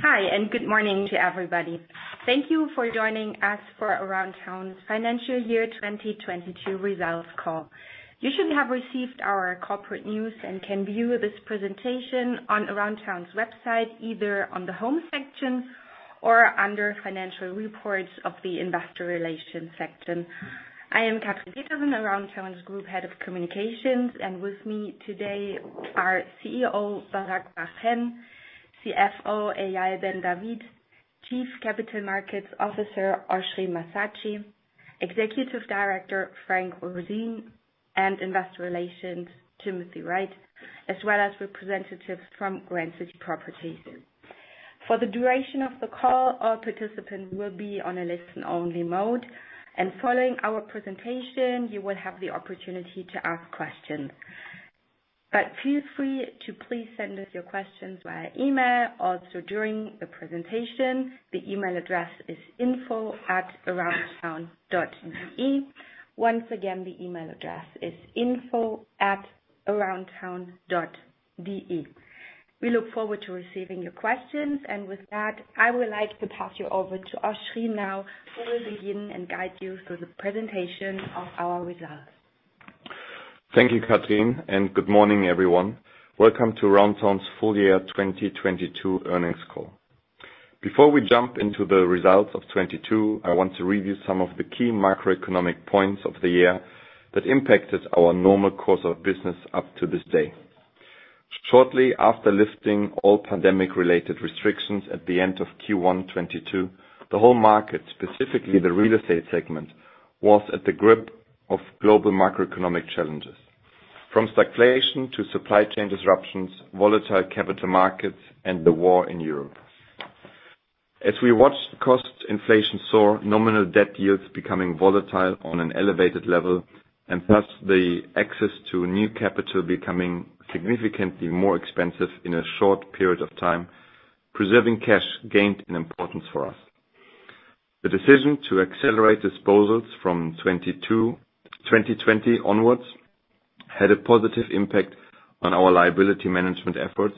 Hi, good morning to everybody. Thank you for joining us for Aroundtown's Financial Year 2022 results call. You should have received our corporate news and can view this presentation on Aroundtown's website, either on the home section or under financial reports of the investor relations section. I am Katrin Petersen, Aroundtown Group Head of Communications, and with me today are CEO, Barak Bar-Hen, CFO, Eyal Ben David, Chief Capital Markets Officer, Oschrie Massatschi, Executive Director, Frank Roseen, and Investor Relations, Timothy Wright, as well as representatives from Grand City Properties. For the duration of the call, all participants will be on a listen-only mode, following our presentation, you will have the opportunity to ask questions. Feel free to please send us your questions via email, also during the presentation. The email address is info@aroundtown.de. Once again, the email address is info@aroundtown.de. We look forward to receiving your questions. With that, I would like to pass you over to Oschrie now, who will begin and guide you through the presentation of our results. Thank you, Katrin. Good morning, everyone. Welcome to Aroundtown's full year 2022 earnings call. Before we jump into the results of 22, I want to review some of the key macroeconomic points of the year that impacted our normal course of business up to this day. Shortly after lifting all pandemic-related restrictions at the end of Q1 22, the whole market, specifically the real estate segment, was at the grip of global macroeconomic challenges, from circulation to supply chain disruptions, volatile capital markets, and the war in Europe. As we watched cost inflation soar, nominal debt yields becoming volatile on an elevated level, and thus the access to new capital becoming significantly more expensive in a short period of time, preserving cash gained an importance for us. The decision to accelerate disposals from 2020 onwards had a positive impact on our liability management efforts,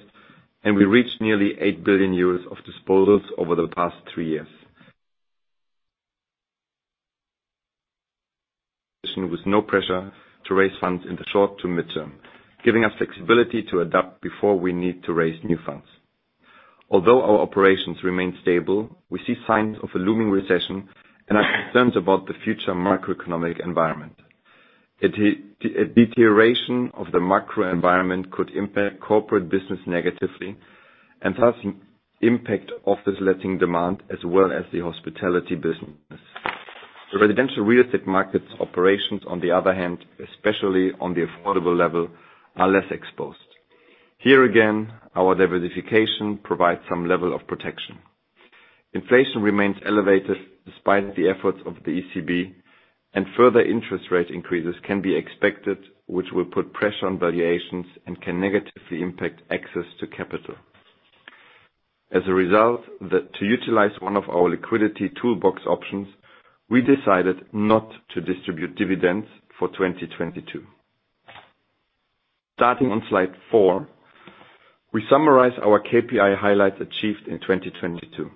and we reached nearly 8 billion euros of disposals over the past three years. With no pressure to raise funds in the short to mid-term, giving us flexibility to adapt before we need to raise new funds. Although our operations remain stable, we see signs of a looming recession and are concerned about the future macroeconomic environment. A deterioration of the macro environment could impact corporate business negatively and thus impact office letting demand as well as the hospitality business. The residential real estate markets operations, on the other hand, especially on the affordable level, are less exposed. Here again, our diversification provides some level of protection. Inflation remains elevated despite the efforts of the ECB, and further interest rate increases can be expected, which will put pressure on valuations and can negatively impact access to capital. As a result, to utilize one of our liquidity toolbox options, we decided not to distribute dividends for 2022. Starting on slide four, we summarize our KPI highlights achieved in 2022.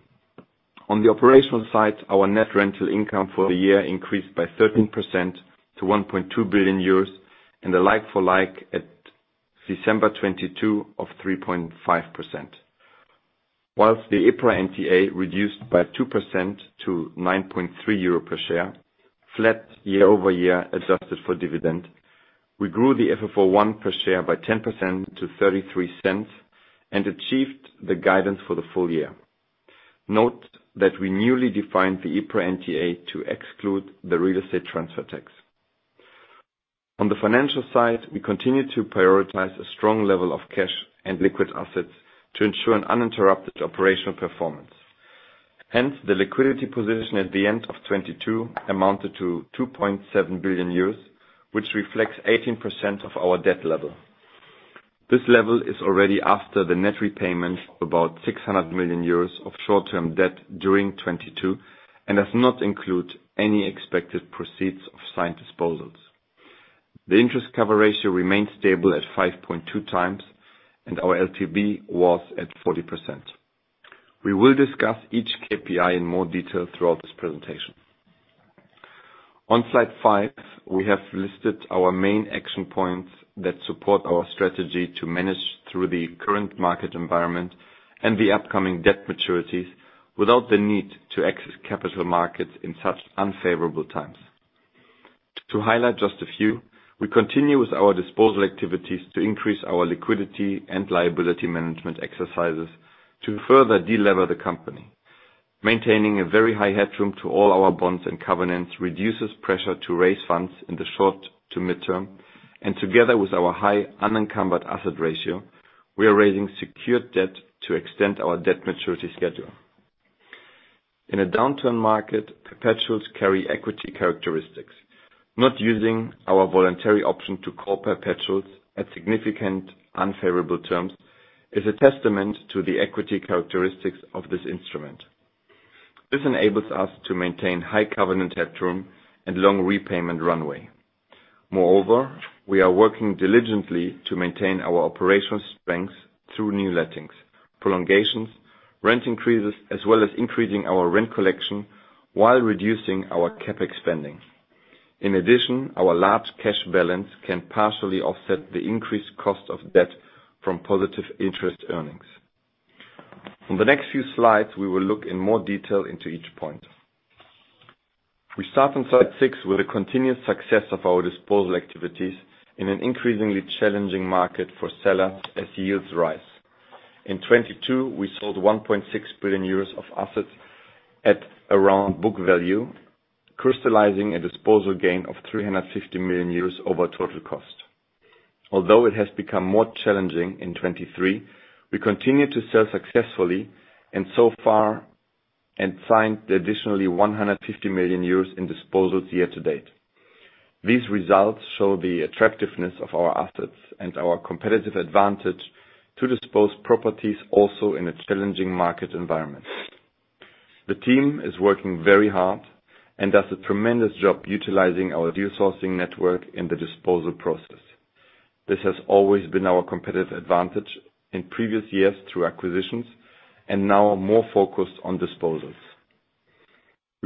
On the operational side, our net rental income for the year increased by 13% to 1.2 billion euros, and the like-for-like at December 22 of 3.5%. Whilst the EPRA NTA reduced by 2% to 9.3 euro per share, flat year-over-year adjusted for dividend, we grew the FFO I per share by 10% to 0.33 and achieved the guidance for the full year. Note that we newly defined the EPRA NTA to exclude the real estate transfer tax. On the financial side, we continue to prioritize a strong level of cash and liquid assets to ensure an uninterrupted operational performance. The liquidity position at the end of 2022 amounted to 2.7 billion euros, which reflects 18% of our debt level. This level is already after the net repayment of about 600 million euros of short-term debt during 2022 and does not include any expected proceeds of signed disposals. The interest cover ratio remains stable at 5.2x, and our LTV was at 40%. We will discuss each KPI in more detail throughout this presentation. On slide five, we have listed our main action points that support our strategy to manage through the current market environment and the upcoming debt maturities without the need to access capital markets in such unfavorable times. To highlight just a few, we continue with our disposal activities to increase our liquidity and liability management exercises to further de-lever the company. Maintaining a very high headroom to all our bonds and covenants reduces pressure to raise funds in the short to mid-term. Together with our high unencumbered asset ratio, we are raising secured debt to extend our debt maturity schedule. In a downturn market, perpetuals carry equity characteristics. Not using our voluntary option to call perpetuals at significant unfavorable terms is a testament to the equity characteristics of this instrument. This enables us to maintain high covenant headroom and long repayment runway. We are working diligently to maintain our operational strengths through new lettings, prolongations, rent increases, as well as increasing our rent collection while reducing our CapEx spending. Our large cash balance can partially offset the increased cost of debt from positive interest earnings. On the next few slides, we will look in more detail into each point. We start on slide six with the continued success of our disposal activities in an increasingly challenging market for sellers as yields rise. In 2022, we sold 1.6 billion euros of assets at around book value, crystallizing a disposal gain of 350 million euros over total cost. It has become more challenging in 2023, we continue to sell successfully and so far signed additionally 150 million euros in disposals year to date. These results show the attractiveness of our assets and our competitive advantage to dispose properties also in a challenging market environment. The team is working very hard and does a tremendous job utilizing our deal sourcing network in the disposal process. This has always been our competitive advantage in previous years through acquisitions and now more focused on disposals.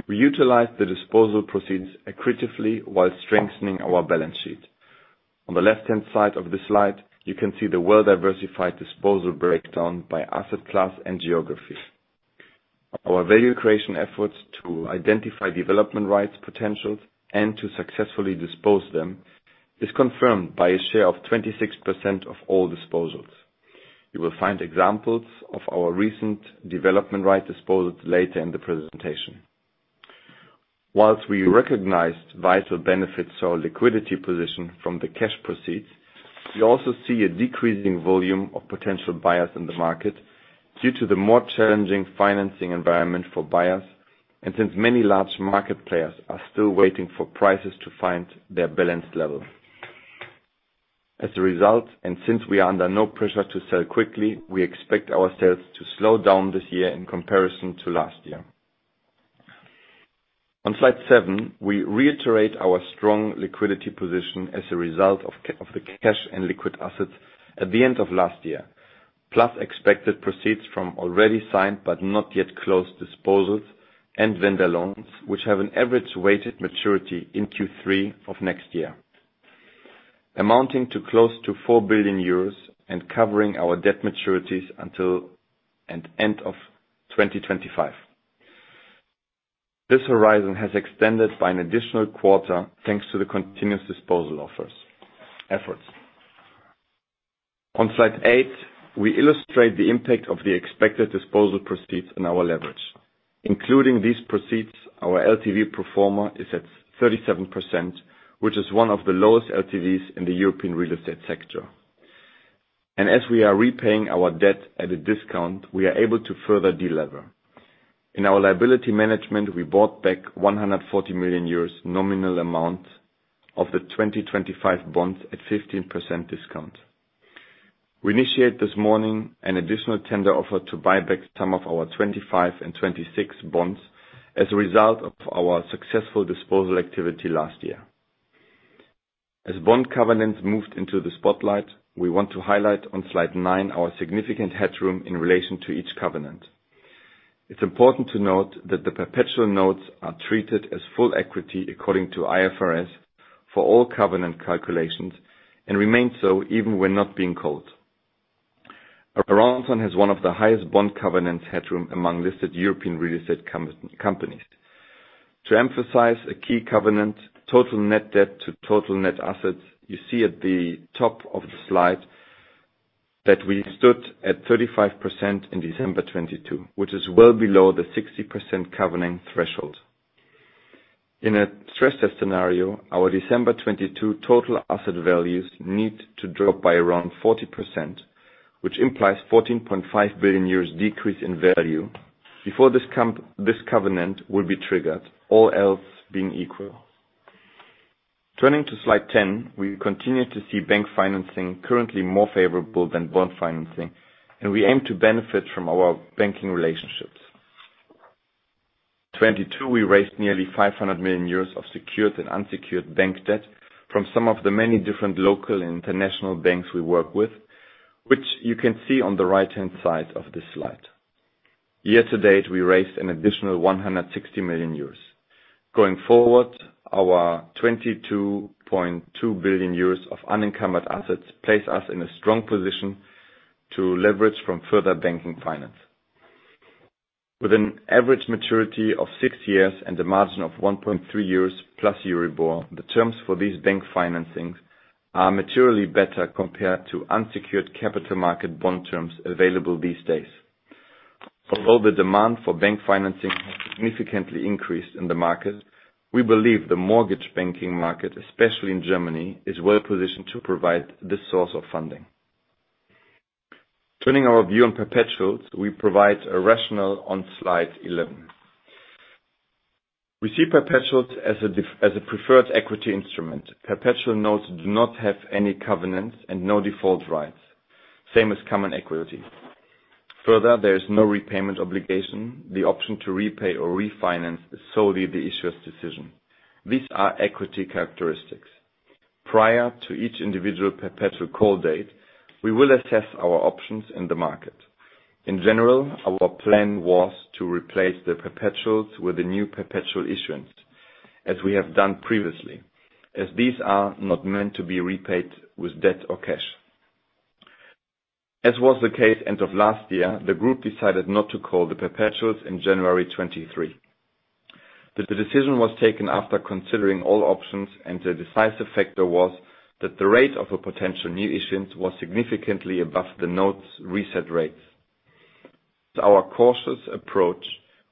We utilize the disposal proceeds accretively while strengthening our balance sheet. On the left-hand side of the slide, you can see the well-diversified disposal breakdown by asset class and geography. Our value creation efforts to identify development rights potentials and to successfully dispose them is confirmed by a share of 26% of all disposals. You will find examples of our recent development right disposed later in the presentation. Whilst we recognized vital benefits to our liquidity position from the cash proceeds, we also see a decreasing volume of potential buyers in the market due to the more challenging financing environment for buyers and since many large market players are still waiting for prices to find their balanced level. As a result, and since we are under no pressure to sell quickly, we expect our sales to slow down this year in comparison to last year. On slide seven, we reiterate our strong liquidity position as of the cash and liquid assets at the end of last year, plus expected proceeds from already signed but not yet closed disposals and vendor loans, which have an average weighted maturity in Q3 of next year, amounting to close to 4 billion euros and covering our debt maturities until an end of 2025. This horizon has extended by an additional quarter thanks to the continuous disposal efforts. On slide eight, we illustrate the impact of the expected disposal proceeds in our leverage. Including these proceeds, our LTV pro forma is at 37%, which is one of the lowest LTVs in the European real estate sector. As we are repaying our debt at a discount, we are able to further delever. In our liability management, we bought back 140 million euros nominal amount of the 2025 bonds at 15% discount. We initiate this morning an additional tender offer to buy back some of our 2025 and 2026 bonds as a result of our successful disposal activity last year. As bond covenants moved into the spotlight, we want to highlight on slide nine our significant headroom in relation to each covenant. It's important to note that the perpetual notes are treated as full equity according to IFRS for all covenant calculations and remain so even when not being called. Aroundtown has one of the highest bond covenants headroom among listed European real estate companies. To emphasize a key covenant, total net debt to total net assets, you see at the top of the slide that we stood at 35% in December 2022, which is well below the 60% covenant threshold. In a stress test scenario, our December 2022 total asset values need to drop by around 40%, which implies 14.5 billion decrease in value before this covenant will be triggered, all else being equal. Turning to slide 10, we continue to see bank financing currently more favorable than bond financing. We aim to benefit from our banking relationships. 2022, we raised nearly 500 million euros of secured and unsecured bank debt from some of the many different local and international banks we work with, which you can see on the right-hand side of this slide. Year to date, we raised an additional 160 million euros. Going forward, our 22.2 billion euros of unencumbered assets place us in a strong position to leverage from further banking finance. With an average maturity of six years and a margin of 1.3+ Euribor, the terms for these bank financings are materially better compared to unsecured capital market bond terms available these days. Although the demand for bank financing has significantly increased in the market, we believe the mortgage banking market, especially in Germany, is well positioned to provide this source of funding. Turning our view on perpetuals, we provide a rationale on slide 11. We see perpetuals as a preferred equity instrument. Perpetual notes do not have any covenants and no default rights, same as common equity. Further, there is no repayment obligation. The option to repay or refinance is solely the issuer's decision. These are equity characteristics. Prior to each individual perpetual call date, we will assess our options in the market. In general, our plan was to replace the perpetuals with the new perpetual issuance, as we have done previously, as these are not meant to be repaid with debt or cash. As was the case end of last year, the group decided not to call the perpetuals in January 23. The decision was taken after considering all options. The decisive factor was that the rate of a potential new issuance was significantly above the notes' reset rates. To our cautious approach,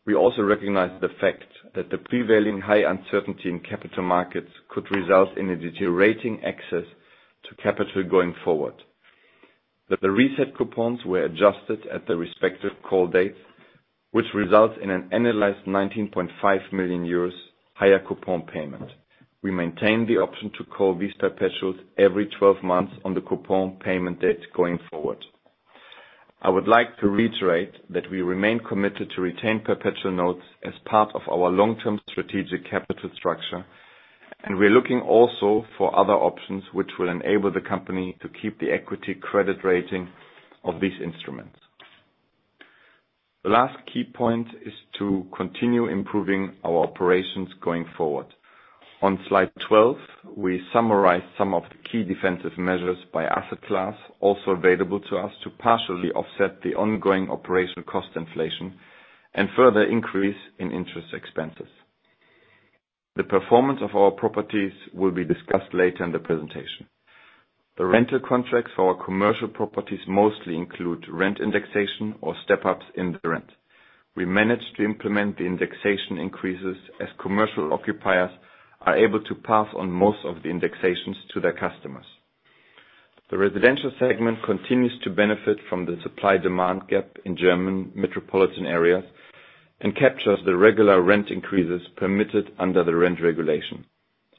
we also recognize the fact that the prevailing high uncertainty in capital markets could result in a deteriorating access to capital going forward. The reset coupons were adjusted at the respective call dates, which results in an annualized 19.5 million euros higher coupon payment. We maintain the option to call these perpetuals every 12 months on the coupon payment date going forward. I would like to reiterate that we remain committed to retain perpetual notes as part of our long-term strategic capital structure. We're looking also for other options which will enable the company to keep the equity credit rating of these instruments. The last key point is to continue improving our operations going forward. On slide 12, we summarize some of the key defensive measures by asset class also available to us to partially offset the ongoing operational cost inflation and further increase in interest expenses. The performance of our properties will be discussed later in the presentation. The rental contracts for our commercial properties mostly include rent indexation or step-ups in the rent. We managed to implement the indexation increases as commercial occupiers are able to pass on most of the indexations to their customers. The residential segment continues to benefit from the supply-demand gap in German metropolitan areas and captures the regular rent increases permitted under the rent regulation.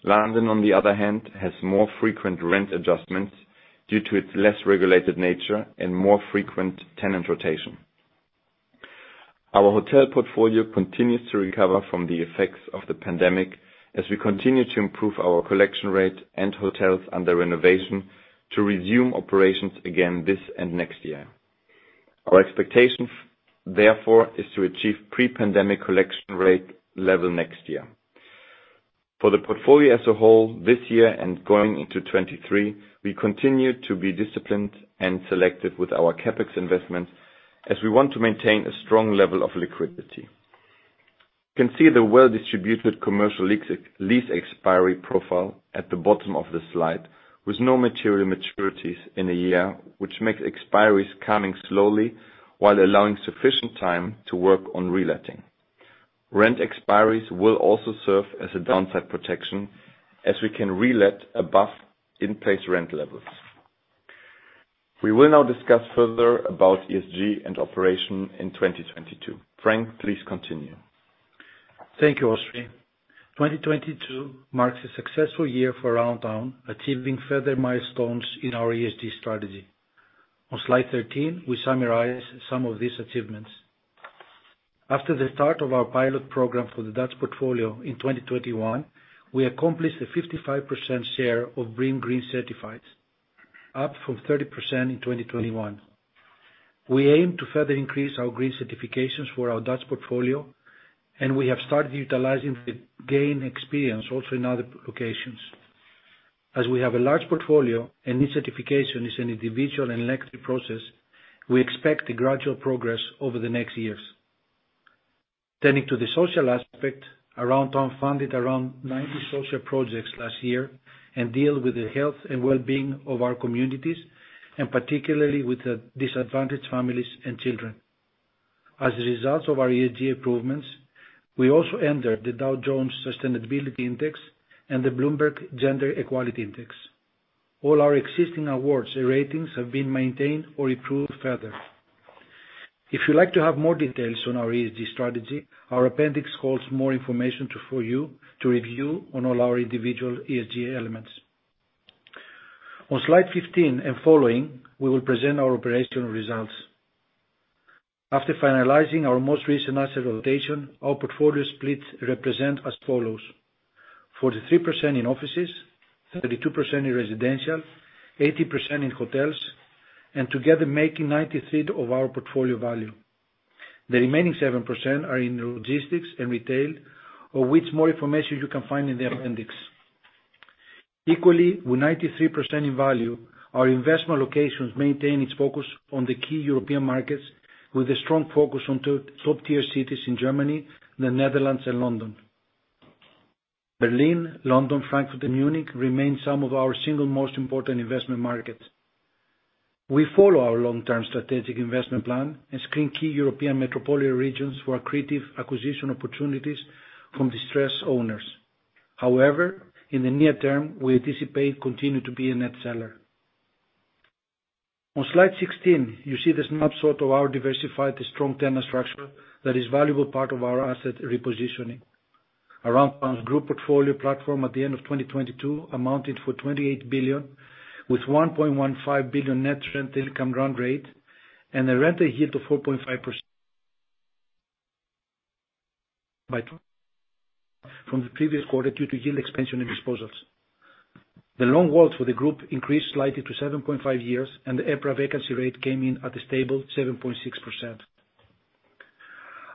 London, on the other hand, has more frequent rent adjustments due to its less regulated nature and more frequent tenant rotation. Our hotel portfolio continues to recover from the effects of the pandemic as we continue to improve our collection rate and hotels under renovation to resume operations again this and next year. Our expectation, therefore, is to achieve pre-pandemic collection rate level next year. For the portfolio as a whole, this year and going into 2023, we continue to be disciplined and selective with our CapEx investment as we want to maintain a strong level of liquidity. You can see the well-distributed commercial lease expiry profile at the bottom of the slide, with no material maturities in a year, which makes expiries coming slowly while allowing sufficient time to work on reletting. Rent expiries will also serve as a downside protection as we can relet above in-place rent levels. We will now discuss further about ESG and operation in 2022. Frank, please continue. Thank you, Oschrie. 2022 marks a successful year for Aroundtown, achieving further milestones in our ESG strategy. On slide 13, we summarize some of these achievements. After the start of our pilot program for the Dutch portfolio in 2021, we accomplished a 55% share of BREEAM green certified, up from 30% in 2021. We aim to further increase our green certifications for our Dutch portfolio, and we have started utilizing the gained experience also in other locations. As we have a large portfolio and each certification is an individual and elective process, we expect a gradual progress over the next years. Turning to the social aspect, Aroundtown funded around 90 social projects last year and deal with the health and well-being of our communities, and particularly with the disadvantaged families and children. As a result of our ESG improvements, we also entered the Dow Jones Sustainability Index and the Bloomberg Gender-Equality Index. All our existing awards and ratings have been maintained or improved further. If you'd like to have more details on our ESG strategy, our appendix holds more information to, for you to review on all our individual ESG elements. On slide 15 and following, we will present our operational results. After finalizing our most recent asset rotation, our portfolio split represent as follows: 43% in offices, 32% in residential, 80% in hotels, and together making 93 of our portfolio value. The remaining 7% are in logistics and retail, of which more information you can find in the appendix. Equally, with 93% in value, our investment locations maintain its focus on the key European markets with a strong focus on to-top-tier cities in Germany, the Netherlands, and London. Berlin, London, Frankfurt, and Munich remain some of our single most important investment markets. We follow our long-term strategic investment plan and screen key European metropolitan regions for accretive acquisition opportunities from distressed owners. However, in the near term, we anticipate continue to be a net seller. On slide 16, you see the snapshot of our diversified strong tenant structure that is valuable part of our asset repositioning. Aroundtown group portfolio platform at the end of 2022 amounted for 28 billion, with 1.15 billion net rent income run rate and a rental yield of 4.5%. By from the previous quarter due to yield expansion and disposals. The loan worth for the group increased slightly to 7.5 years, and the EPRA vacancy rate came in at a stable 7.6%.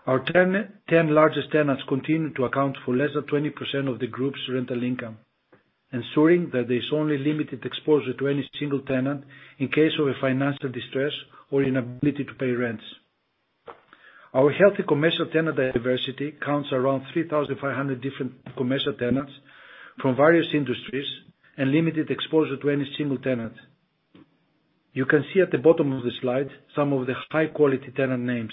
Our 10 largest tenants continue to account for less than 20% of the group's rental income, ensuring that there's only limited exposure to any single tenant in case of a financial distress or inability to pay rents. Our healthy commercial tenant diversity counts around 3,500 different commercial tenants from various industries and limited exposure to any single tenant. You can see at the bottom of the slide some of the high-quality tenant names.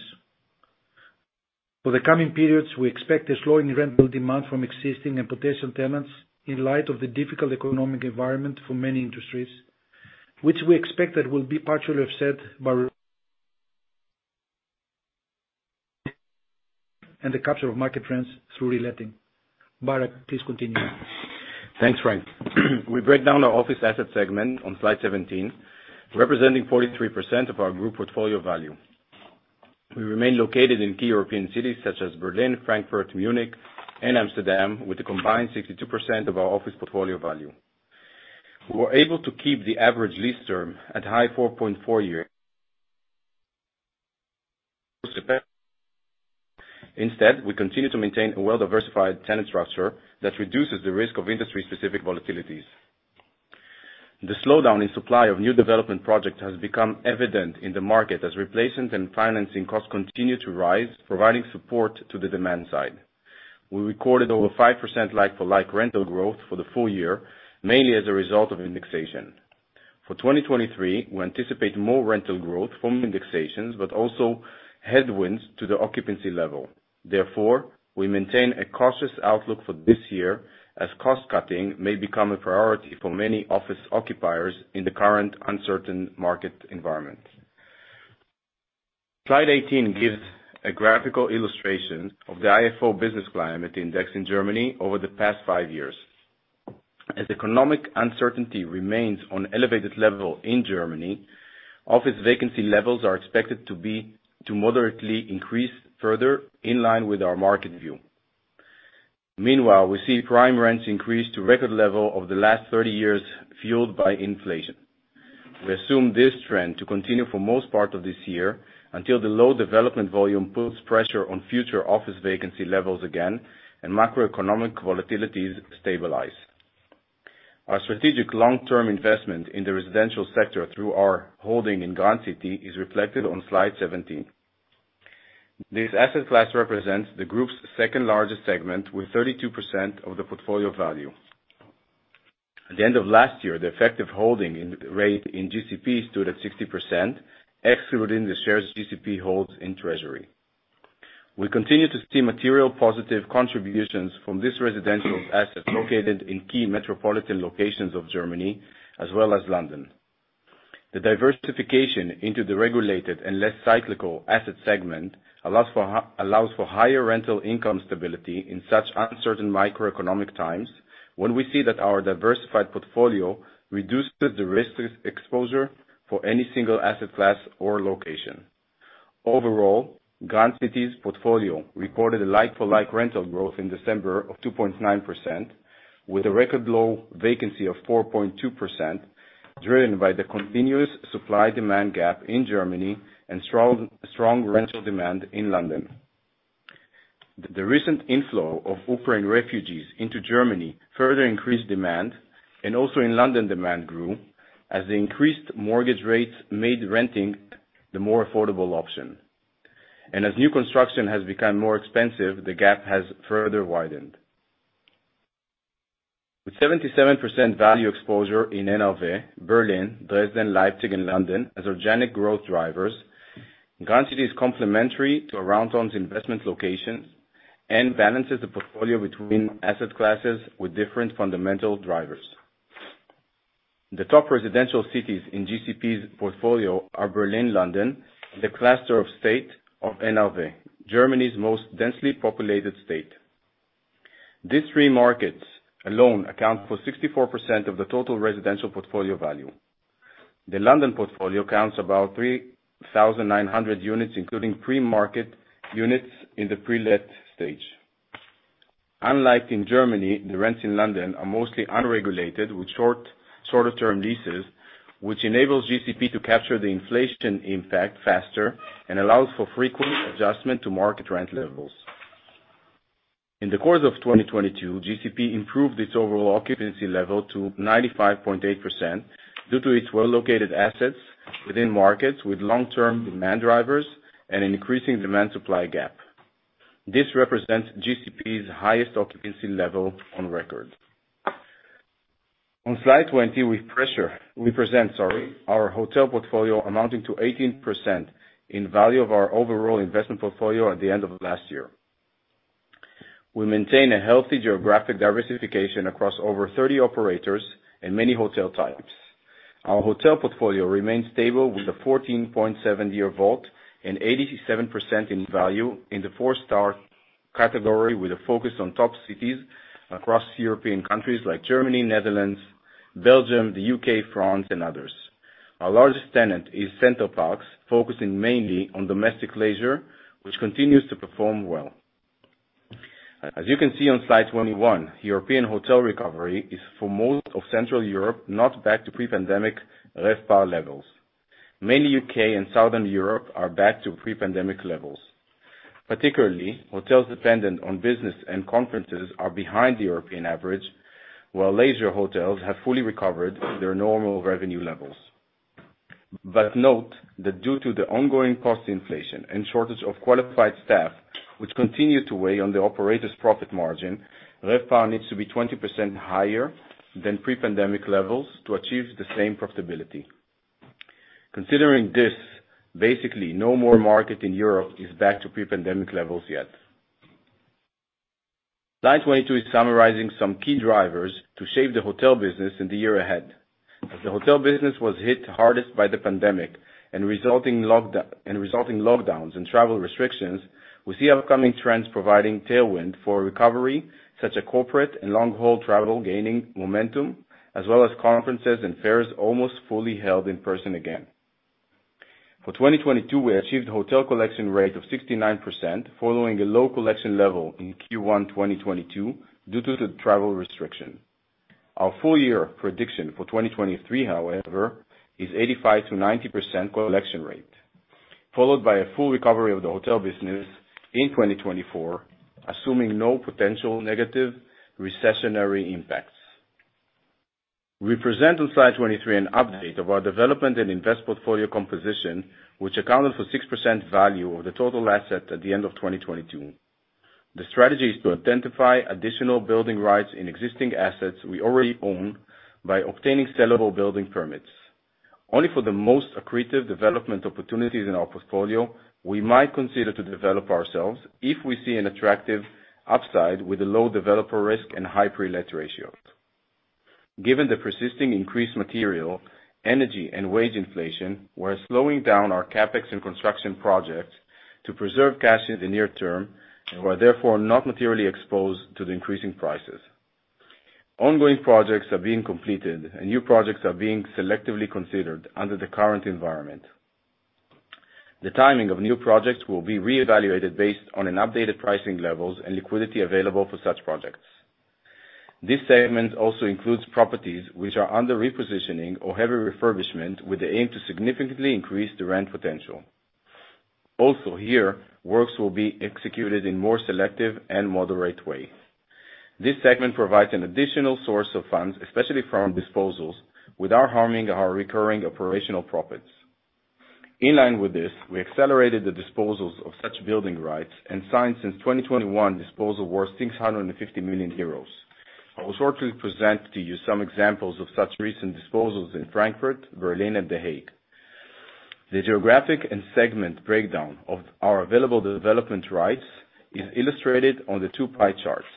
For the coming periods, we expect a slowing rental demand from existing and potential tenants in light of the difficult economic environment for many industries, which we expect that will be partially offset by and the capture of market trends through reletting. Barak, please continue. Thanks, Frank. We break down our office asset segment on slide 17, representing 43% of our group portfolio value. We remain located in key European cities such as Berlin, Frankfurt, Munich, and Amsterdam, with a combined 62% of our office portfolio value. We were able to keep the average lease term at high 4.4 years. Instead, we continue to maintain a well-diversified tenant structure that reduces the risk of industry-specific volatilities. The slowdown in supply of new development projects has become evident in the market as replacement and financing costs continue to rise, providing support to the demand side. We recorded over 5% like-for-like rental growth for the full year, mainly as a result of indexation. For 2023, we anticipate more rental growth from indexations, but also headwinds to the occupancy level. Therefore, we maintain a cautious outlook for this year, as cost-cutting may become a priority for many office occupiers in the current uncertain market environment. Slide 18 gives a graphical illustration of the ifo Business Climate Index in Germany over the past five years. As economic uncertainty remains on elevated level in Germany, office vacancy levels are expected to moderately increase further in line with our market view. Meanwhile, we see prime rents increase to record level over the last 30 years, fueled by inflation. We assume this trend to continue for most part of this year until the low development volume puts pressure on future office vacancy levels again and macroeconomic volatilities stabilize. Our strategic long-term investment in the residential sector through our holding in Grand City Properties is reflected on slide 17. This asset class represents the group's second-largest segment with 32% of the portfolio value. At the end of last year, the effective holding in rate in GCP stood at 60%, excluding the shares GCP holds in Treasury. We continue to see material positive contributions from this residential asset located in key metropolitan locations of Germany as well as London. The diversification into the regulated and less cyclical asset segment allows for higher rental income stability in such uncertain macroeconomic times, when we see that our diversified portfolio reduces the risk exposure for any single asset class or location. Overall, Grand City's portfolio recorded a like-for-like rental growth in December of 2.9%, with a record low vacancy of 4.2%, driven by the continuous supply-demand gap in Germany and strong rental demand in London. The recent inflow of Ukraine refugees into Germany further increased demand, and also in London, demand grew as the increased mortgage rates made renting the more affordable option. As new construction has become more expensive, the gap has further widened. With 77% value exposure in NRW, Berlin, Dresden, Leipzig, and London as organic growth drivers, Grand City is complementary to Aroundtown's investment locations and balances the portfolio between asset classes with different fundamental drivers. The top residential cities in GCP's portfolio are Berlin, London, the cluster of state of NRW, Germany's most densely populated state. These three markets alone account for 64% of the total residential portfolio value. The London portfolio counts about 3,900 units, including pre-market units in the pre-let stage. Unlike in Germany, the rents in London are mostly unregulated, with short, shorter-term leases, which enables GCP to capture the inflation impact faster and allows for frequent adjustment to market rent levels. In the course of 2022, GCP improved its overall occupancy level to 95.8% due to its well-located assets within markets with long-term demand drivers and increasing demand supply gap. This represents GCP's highest occupancy level on record. On slide 20, we present, sorry, our hotel portfolio amounting to 18% in value of our overall investment portfolio at the end of last year. We maintain a healthy geographic diversification across over 30 operators and many hotel types. Our hotel portfolio remains stable with a 14.7 year WALT and 87% in value in the four-star category, with a focus on top cities across European countries like Germany, Netherlands, Belgium, the U.K., France and others. Our largest tenant is Center Parcs, focusing mainly on domestic leisure, which continues to perform well. As you can see on slide 21, European hotel recovery is for most of Central Europe, not back to pre-pandemic RevPAR levels. Mainly U.K. and Southern Europe are back to pre-pandemic levels. Particularly, hotels dependent on business and conferences are behind the European average, while leisure hotels have fully recovered their normal revenue levels. Note that due to the ongoing cost inflation and shortage of qualified staff, which continue to weigh on the operator's profit margin, RevPAR needs to be 20% higher than pre-pandemic levels to achieve the same profitability. Considering this, basically, no more market in Europe is back to pre-pandemic levels yet. Slide 22 is summarizing some key drivers to shape the hotel business in the year ahead. As the hotel business was hit hardest by the pandemic and resulting lockdowns and travel restrictions, we see upcoming trends providing tailwind for recovery, such as corporate and long-haul travel gaining momentum as well as conferences and fairs almost fully held in person again. For 2022, we achieved hotel collection rate of 69%, following a low collection level in Q1 2022 due to the travel restriction. Our full year prediction for 2023, however, is 85%-90% collection rate, followed by a full recovery of the hotel business in 2024, assuming no potential negative recessionary impacts. We present on slide 23 an update of our development and invest portfolio composition, which accounted for 6% value of the total assets at the end of 2022. The strategy is to identify additional building rights in existing assets we already own by obtaining sellable building permits. Only for the most accretive development opportunities in our portfolio we might consider to develop ourselves if we see an attractive upside with a low developer risk and high pre-let ratios. Given the persisting increased material, energy and wage inflation, we're slowing down our CapEx and construction projects to preserve cash in the near term and we are therefore not materially exposed to the increasing prices. Ongoing projects are being completed and new projects are being selectively considered under the current environment. The timing of new projects will be re-evaluated based on an updated pricing levels and liquidity available for such projects. This segment also includes properties which are under repositioning or heavy refurbishment with the aim to significantly increase the rent potential. Here, works will be executed in more selective and moderate ways. This segment provides an additional source of funds, especially from disposals, without harming our recurring operational profits. In line with this, we accelerated the disposals of such building rights and signed since 2021 disposal worth 650 million euros. I will shortly present to you some examples of such recent disposals in Frankfurt, Berlin and The Hague. The geographic and segment breakdown of our available development rights is illustrated on the two pie charts.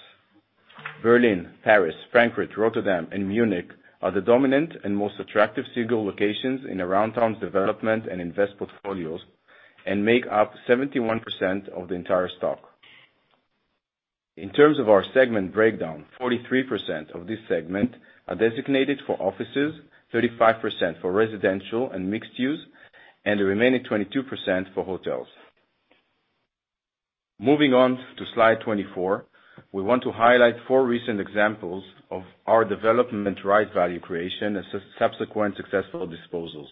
Berlin, Paris, Frankfurt, Rotterdam and Munich are the dominant and most attractive single locations in Aroundtown's development and invest portfolios and make up 71% of the entire stock. In terms of our segment breakdown, 43% of this segment are designated for offices, 35% for residential and mixed-use, and the remaining 22% for hotels. Moving on to slide 24, we want to highlight four recent examples of our development right value creation and subsequent successful disposals.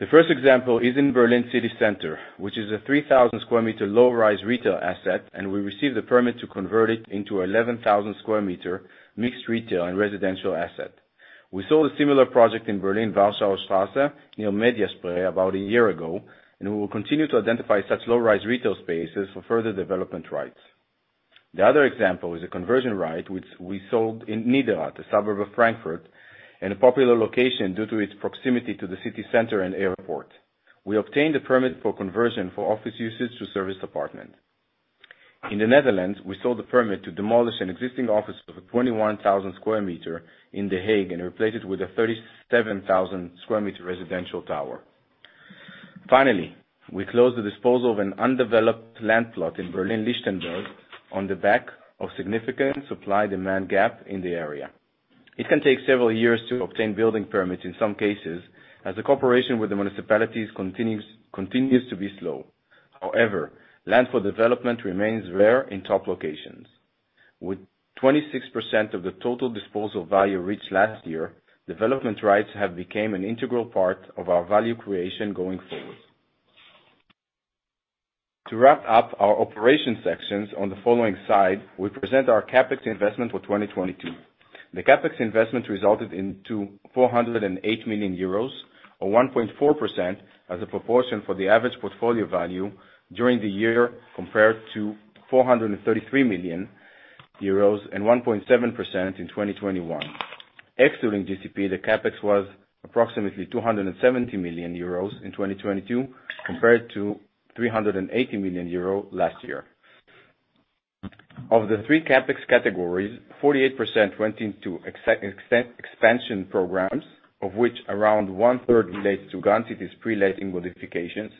The first example is in Berlin city center, which is a 3,000 sqm low-rise retail asset. We received a permit to convert it into 11,000 sqm mixed retail and residential asset. We sold a similar project in Berlin, Warschauer Straße, near Media Spree about a year ago. We will continue to identify such low-rise retail spaces for further development rights. The other example is a conversion right, which we sold in Niederrad, a suburb of Frankfurt and a popular location due to its proximity to the city center and airport. We obtained a permit for conversion for office usage to service apartment. In the Netherlands, we sold the permit to demolish an existing office of a 21,000 sqm in The Hague and replace it with a 37,000 sqm residential tower. We closed the disposal of an undeveloped land plot in Berlin-Lichtenberg on the back of significant supply-demand gap in the area. It can take several years to obtain building permits in some cases, as the cooperation with the municipalities continues to be slow. Land for development remains rare in top locations. With 26% of the total disposal value reached last year, development rights have became an integral part of our value creation going forward. To wrap up our operations sections on the following slide, we present our CapEx investment for 2022. The CapEx investment resulted into 408 million euros, or 1.4% as a proportion for the average portfolio value during the year, compared to 433 million euros and 1.7% in 2021. Excluding GCP, the CapEx was approximately 270 million euros in 2022 compared to 380 million euro last year. Of the three CapEx categories, 48% went into expansion programs, of which around one-third relates to Grand City's pre-letting modifications.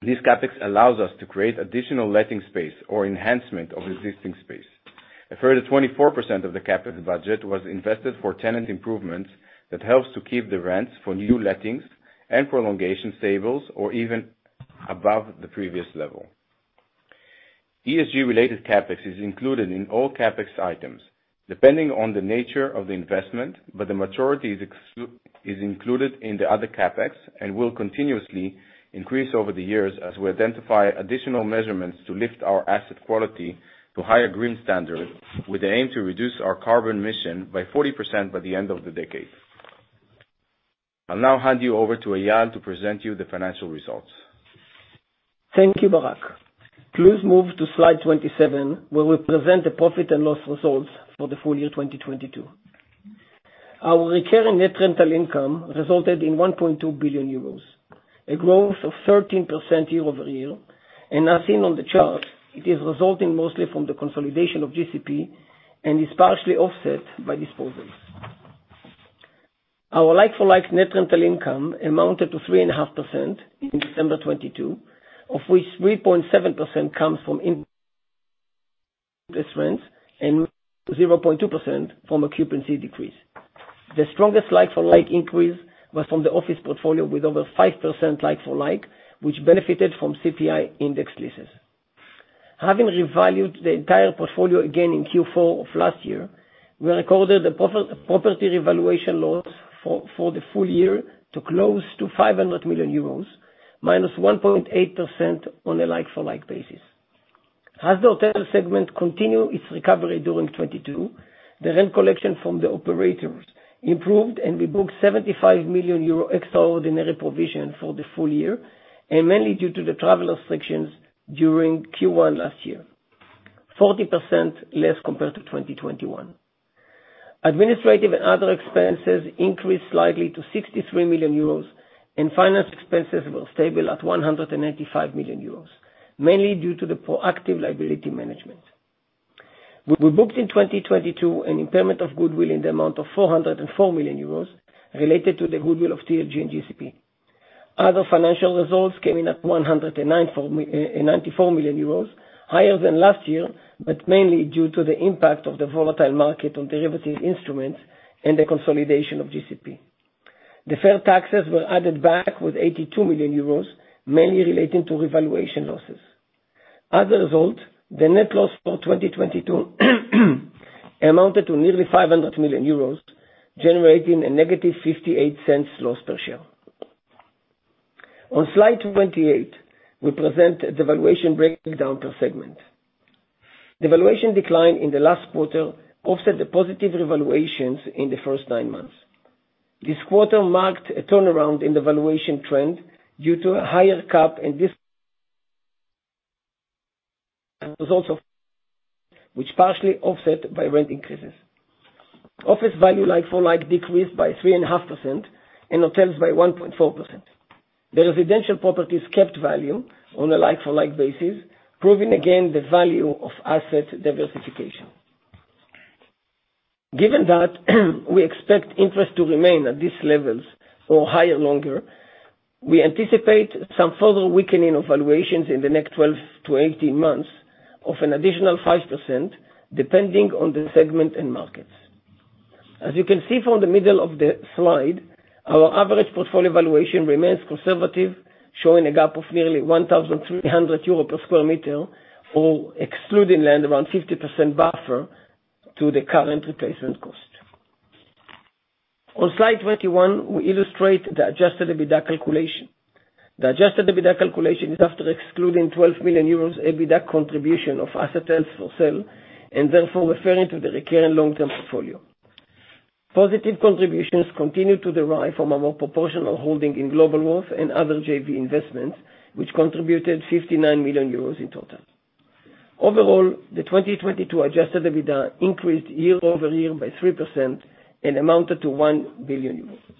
This CapEx allows us to create additional letting space or enhancement of existing space. A further 24% of the CapEx budget was invested for tenant improvements that helps to keep the rents for new lettings and prolongation stable or even above the previous level. ESG related CapEx is included in all CapEx items, depending on the nature of the investment, but the majority is included in the other CapEx and will continuously increase over the years as we identify additional measurements to lift our asset quality to higher green standard, with the aim to reduce our carbon emission by 40% by the end of the decade. I'll now hand you over to Eyal to present you the financial results. Thank you, Barak. Please move to slide 27, where we present the profit and loss results for the full year 2022. Our recurring net rental income resulted in 1.2 billion euros, a growth of 13% year-over-year, and as seen on the chart, it is resulting mostly from the consolidation of GCP and is partially offset by disposals. Our like-for-like net rental income amounted to 3.5% in December 2022, of which 3.7% comes from in-investments and 0.2% from occupancy decrease. The strongest like-for-like increase was from the office portfolio with over 5% like-for-like, which benefited from CPI index leases. Having revalued the entire portfolio again in Q4 of last year, we recorded the property revaluation loss for the full year to close to 500 million euros, -1.8% on a like-for-like basis. As the hotel segment continue its recovery during 2022, the rent collection from the operators improved. We booked 75 million euro extraordinary provision for the full year, mainly due to the travel restrictions during Q1 last year. 40% less compared to 2021. Administrative and other expenses increased slightly to 63 million euros. Finance expenses were stable at 185 million euros, mainly due to the proactive liability management. We booked in 2022 an impairment of goodwill in the amount of 404 million euros related to the goodwill of TLG and GCP. Other financial results came in at 109 for 94 million euros, higher than last year, but mainly due to the impact of the volatile market on derivative instruments and the consolidation of GCP. Deferred taxes were added back with 82 million euros, mainly relating to revaluation losses. As a result, the net loss for 2022 amounted to nearly 500 million euros, generating a -0.58 loss per share. On slide 28, we present the valuation breakdown per segment. The valuation decline in the last quarter offset the positive revaluations in the first nine months. This quarter marked a turnaround in the valuation trend due to a higher CAP and this results of which partially offset by rent increases. Office value like-for-like decreased by 3.5% and hotels by 1.4%. The residential properties kept value on a like-for-like basis, proving again the value of asset diversification. Given that we expect interest to remain at these levels or higher, longer, we anticipate some further weakening of valuations in the next 12 to 18 months of an additional 5%, depending on the segment and markets. As you can see from the middle of the slide, our average portfolio valuation remains conservative, showing a gap of nearly 1,300 euro per sqm, or excluding land, around 50% buffer to the current replacement cost. On slide 21, we illustrate the adjusted EBITDA calculation. The adjusted EBITDA calculation is after excluding 12 million euros EBITDA contribution of assets for sale, therefore referring to the recurring long-term portfolio. Positive contributions continue to derive from a more proportional holding in Globalworth and other JV investments, which contributed 59 million euros in total. Overall, the 2022 adjusted EBITDA increased year-over-year by 3% and amounted to 1 billion euros.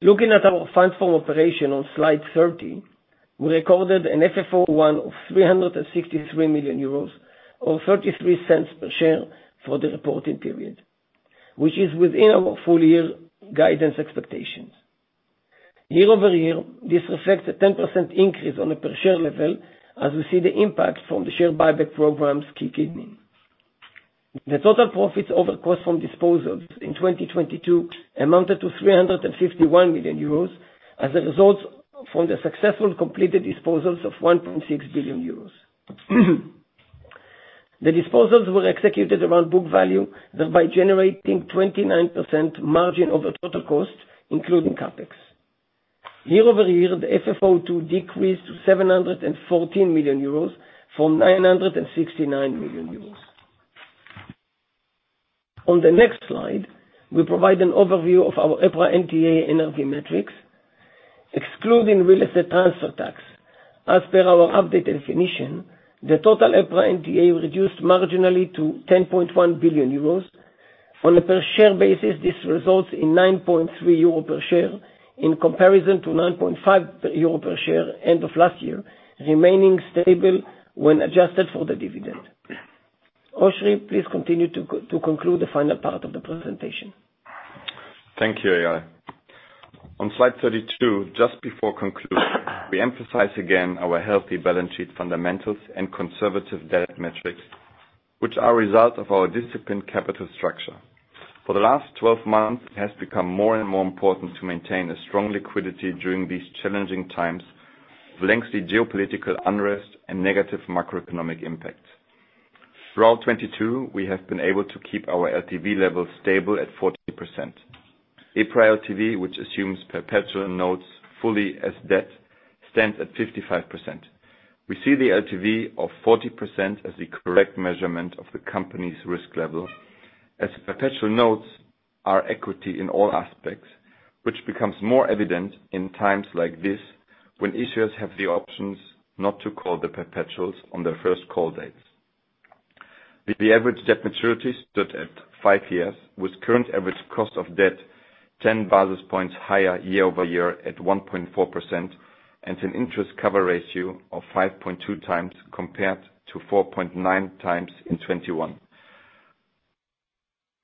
Looking at our funds flow operation on slide 30, we recorded an FFO I of 363 million euros or 0.33 per share for the reporting period, which is within our full year guidance expectations. Year-over-year, this reflects a 10% increase on a per share level as we see the impact from the share buyback programs kicking in. The total profits over cost from disposals in 2022 amounted to 351 million euros as a result from the successful completed disposals of 1.6 billion euros. The disposals were executed around book value, thereby generating 29% margin over total cost, including CapEx. Year-over-year, the FFO II decreased to 714 million euros from 969 million euros. On the next slide, we provide an overview of our EPRA NTA NAV metrics. Excluding real estate transfer tax. As per our updated definition, the total EPRA NDV reduced marginally to 10.1 billion euros. On a per share basis, this results in 9.3 euro per share in comparison to 9.5 euro per share end of last year, remaining stable when adjusted for the dividend. Oschrie, please continue to conclude the final part of the presentation. Thank you, Eyal. On slide 32, just before conclusion, we emphasize again our healthy balance sheet fundamentals and conservative debt metrics, which are a result of our disciplined capital structure. For the last 12 months, it has become more and more important to maintain a strong liquidity during these challenging times of lengthy geopolitical unrest and negative macroeconomic impact. Throughout 2022, we have been able to keep our LTV levels stable at 40%. EPRA LTV, which assumes perpetual notes fully as debt, stands at 55%. We see the LTV of 40% as the correct measurement of the company's risk level, as perpetual notes are equity in all aspects, which becomes more evident in times like this when issuers have the options not to call the perpetuals on their first call dates. The average debt maturity stood at five years, with current average cost of debt 10 basis points higher year-over-year at 1.4%, and an interest cover ratio of 5.2x compared to 4.9x in 2021.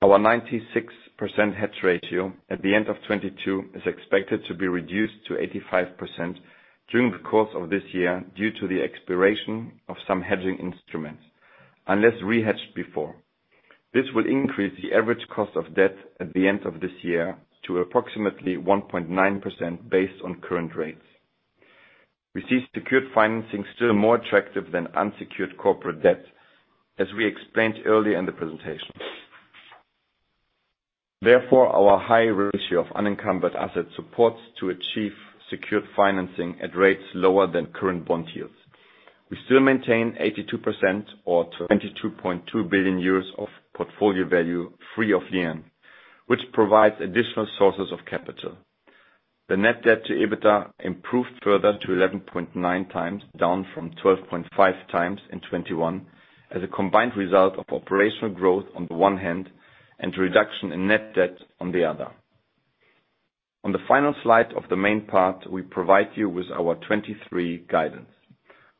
Our 96% hedge ratio at the end of 2022 is expected to be reduced to 85% during the course of this year due to the expiration of some hedging instruments, unless re-hedged before. This will increase the average cost of debt at the end of this year to approximately 1.9% based on current rates. We see secured financing still more attractive than unsecured corporate debt, as we explained earlier in the presentation. Our high ratio of unencumbered assets supports to achieve secured financing at rates lower than current bond yields. We still maintain 82% or 22.2 billion euros of portfolio value free of lien, which provides additional sources of capital. The net debt to EBITDA improved further to 11.9x, down from 12.5x in 2021, as a combined result of operational growth on the one hand, and reduction in net debt on the other. On the final slide of the main part, we provide you with our 2023 guidance.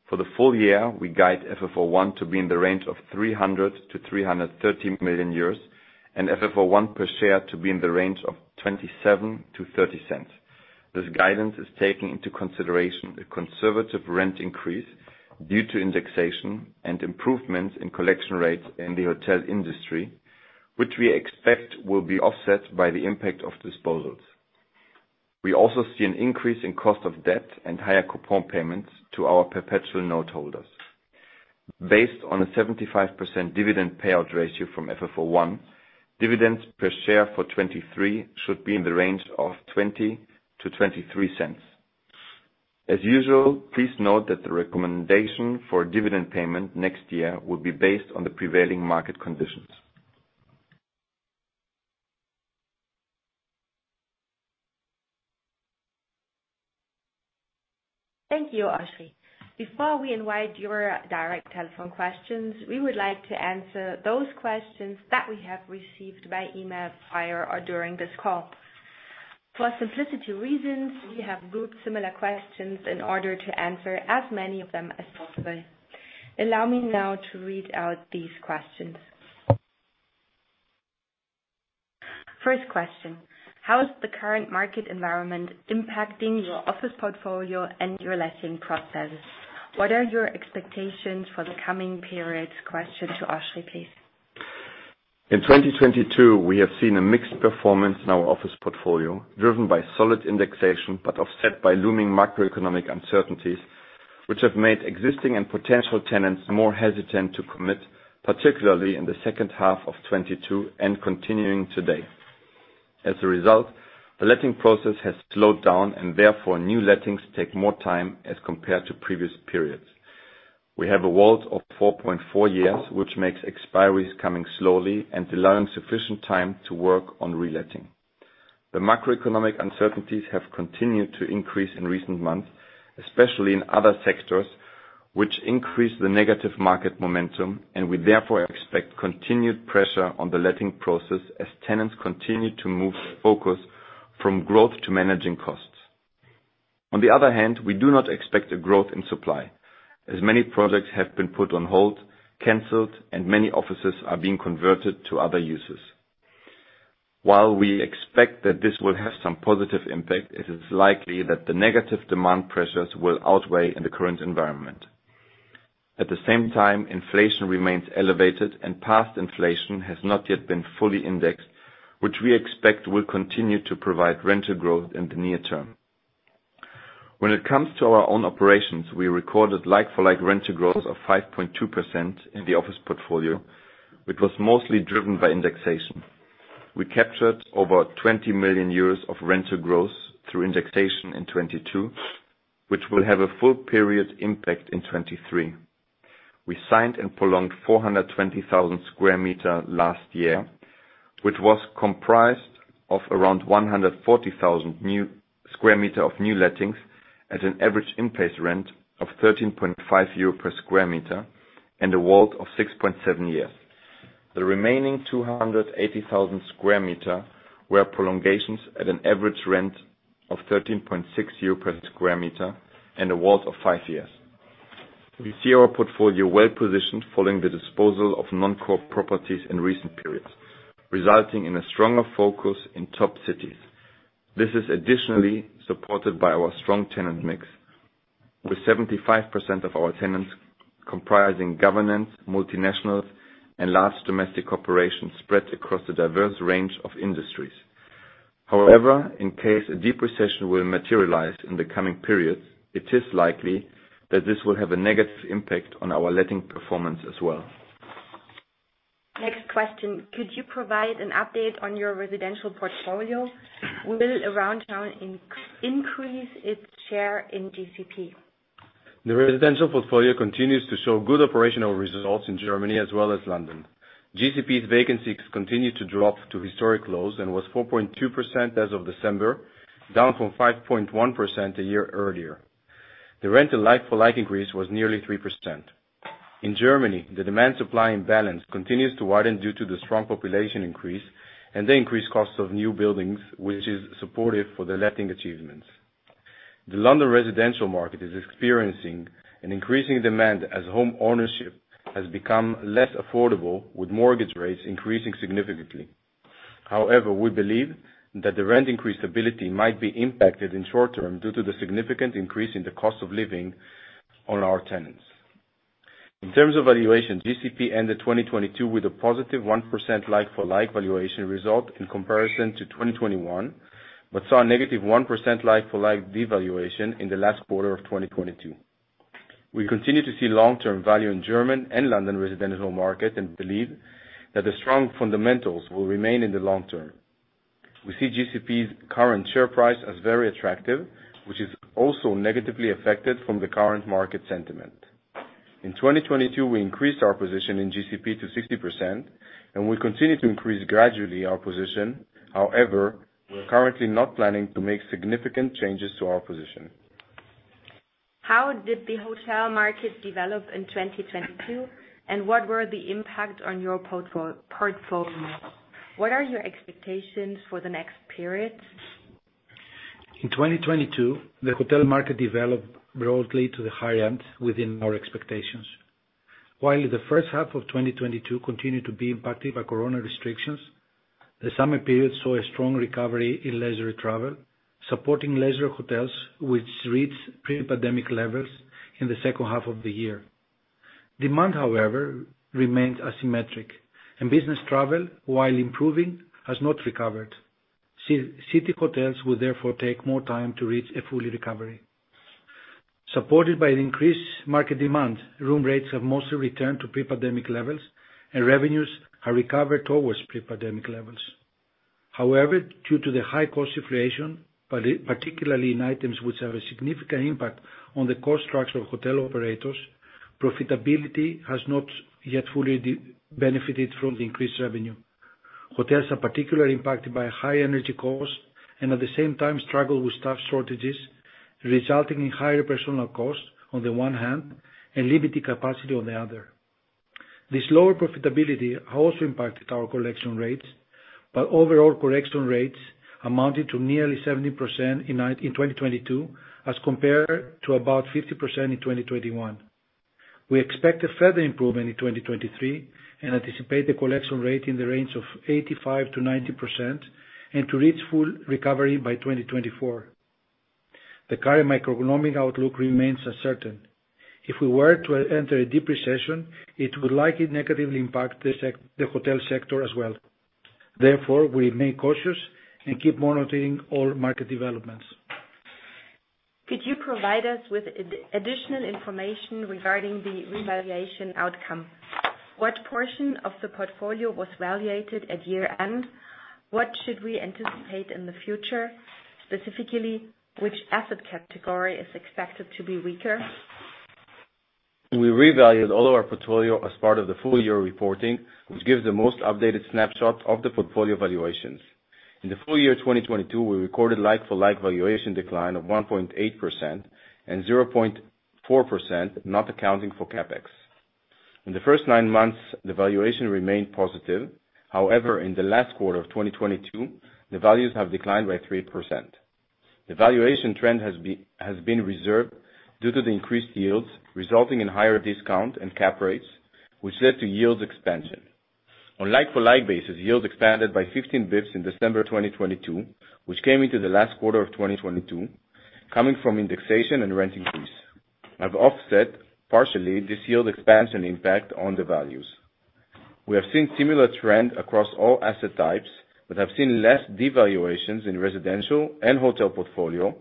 For the full year, we guide FFO I to be in the range of 300 million-330 million euros, and FFO I per share to be in the range of 0.27-0.30. This guidance is taking into consideration a conservative rent increase due to indexation and improvements in collection rates in the hotel industry, which we expect will be offset by the impact of disposals. We also see an increase in cost of debt and higher coupon payments to our perpetual note holders. Based on a 75% dividend payout ratio from FFO I, dividends per share for 2023 should be in the range of 0.20-0.23. As usual, please note that the recommendation for dividend payment next year will be based on the prevailing market conditions. Thank you, Oschrie. Before we invite your direct telephone questions, we would like to answer those questions that we have received by email prior or during this call. For simplicity reasons, we have grouped similar questions in order to answer as many of them as possible. Allow me now to read out these questions. First question: How is the current market environment impacting your office portfolio and your letting process? What are your expectations for the coming periods? Question to Oschrie, please. In 2022, we have seen a mixed performance in our office portfolio, driven by solid indexation, but offset by looming macroeconomic uncertainties, which have made existing and potential tenants more hesitant to commit, particularly in the second half of 2022 and continuing today. As a result, the letting process has slowed down and therefore new lettings take more time as compared to previous periods. We have a WALT of 4.4 years, which makes expiries coming slowly and allowing sufficient time to work on reletting. The macroeconomic uncertainties have continued to increase in recent months, especially in other sectors, which increase the negative market momentum. We therefore expect continued pressure on the letting process as tenants continue to move their focus from growth to managing costs. On the other hand, we do not expect a growth in supply, as many projects have been put on hold, canceled, and many offices are being converted to other uses. While we expect that this will have some positive impact, it is likely that the negative demand pressures will outweigh in the current environment. At the same time, inflation remains elevated and past inflation has not yet been fully indexed, which we expect will continue to provide rental growth in the near term. When it comes to our own operations, we recorded like for like rental growth of 5.2% in the office portfolio, which was mostly driven by indexation. We captured over 20 million euros of rental growth through indexation in 2022, which will have a full period impact in 2023. We signed and prolonged 420,000 sq m last year, which was comprised of around 140,000 new sq m of new lettings at an average in-place rent of 13.5 euro per sq m and a WALT of 6.7 years. The remaining 280,000 sq m were prolongations at an average rent of 13.6 euro per sq m and a WALT of five years. We see our portfolio well-positioned following the disposal of non-core properties in recent periods, resulting in a stronger focus in top cities. This is additionally supported by our strong tenant mix, with 75% of our tenants comprising governments, multinationals, and large domestic corporations spread across a diverse range of industries. In case a deep recession will materialize in the coming periods, it is likely that this will have a negative impact on our letting performance as well. Next question. Could you provide an update on your residential portfolio? Will Aroundtown increase its share in GCP? The residential portfolio continues to show good operational results in Germany as well as London. GCP's vacancy continued to drop to historic lows and was 4.2% as of December, down from 5.1% a year earlier. The rent and like-for-like increase was nearly 3%. In Germany, the demand-supply imbalance continues to widen due to the strong population increase and the increased cost of new buildings, which is supportive for the letting achievements. The London residential market is experiencing an increasing demand as homeownership has become less affordable, with mortgage rates increasing significantly. However, we believe that the rent increase ability might be impacted in short term due to the significant increase in the cost of living on our tenants. In terms of valuation, GCP ended 2022 with a positive 1% like-for-like valuation result in comparison to 2021, but saw a negative 1% like-for-like devaluation in the last quarter of 2022. We continue to see long-term value in German and London residential market and believe that the strong fundamentals will remain in the long term. We see GCP's current share price as very attractive, which is also negatively affected from the current market sentiment. In 2022, we increased our position in GCP to 60%, and we continue to increase gradually our position. We're currently not planning to make significant changes to our position. How did the hotel market develop in 2022, and what were the impact on your portfolio? What are your expectations for the next periods? In 2022, the hotel market developed broadly to the high end within our expectations. While the first half of 2022 continued to be impacted by corona restrictions, the summer period saw a strong recovery in leisure travel, supporting leisure hotels, which reached pre-pandemic levels in the second half of the year. Demand, however, remains asymmetric, and business travel, while improving, has not recovered. city hotels will therefore take more time to reach a fully recovery. Supported by an increased market demand, room rates have mostly returned to pre-pandemic levels, and revenues have recovered towards pre-pandemic levels. However, due to the high cost inflation, particularly in items which have a significant impact on the cost structure of hotel operators, profitability has not yet fully de-benefited from the increased revenue. Hotels are particularly impacted by high energy costs and at the same time struggle with staff shortages, resulting in higher personal costs on the one hand and limited capacity on the other. This lower profitability also impacted our collection rates, but overall correction rates amounted to nearly 70% in 2022 as compared to about 50% in 2021. We expect a further improvement in 2023 and anticipate the collection rate in the range of 85%-90% and to reach full recovery by 2024. The current macroeconomic outlook remains uncertain. If we were to enter a deep recession, it would likely negatively impact the hotel sector as well. We remain cautious and keep monitoring all market developments. Could you provide us with additional information regarding the revaluation outcome? What portion of the portfolio was valuated at year-end? What should we anticipate in the future? Specifically, which asset category is expected to be weaker? We revalued all of our portfolio as part of the full year reporting, which gives the most updated snapshot of the portfolio valuations. In the full year 2022, we recorded like-for-like valuation decline of 1.8% and 0.4%, not accounting for CapEx. In the first nine months, the valuation remained positive. However, in the last quarter of 2022, the values have declined by 3%. The valuation trend has been reserved due to the increased yields, resulting in higher discount and cap rates, which led to yields expansion. On like-for-like basis, yields expanded by 15 bps in December 2022, which came into the last quarter of 2022, coming from indexation and rent increase, have offset partially this yield expansion impact on the values. We have seen similar trend across all asset types, have seen less devaluations in residential and hotel portfolio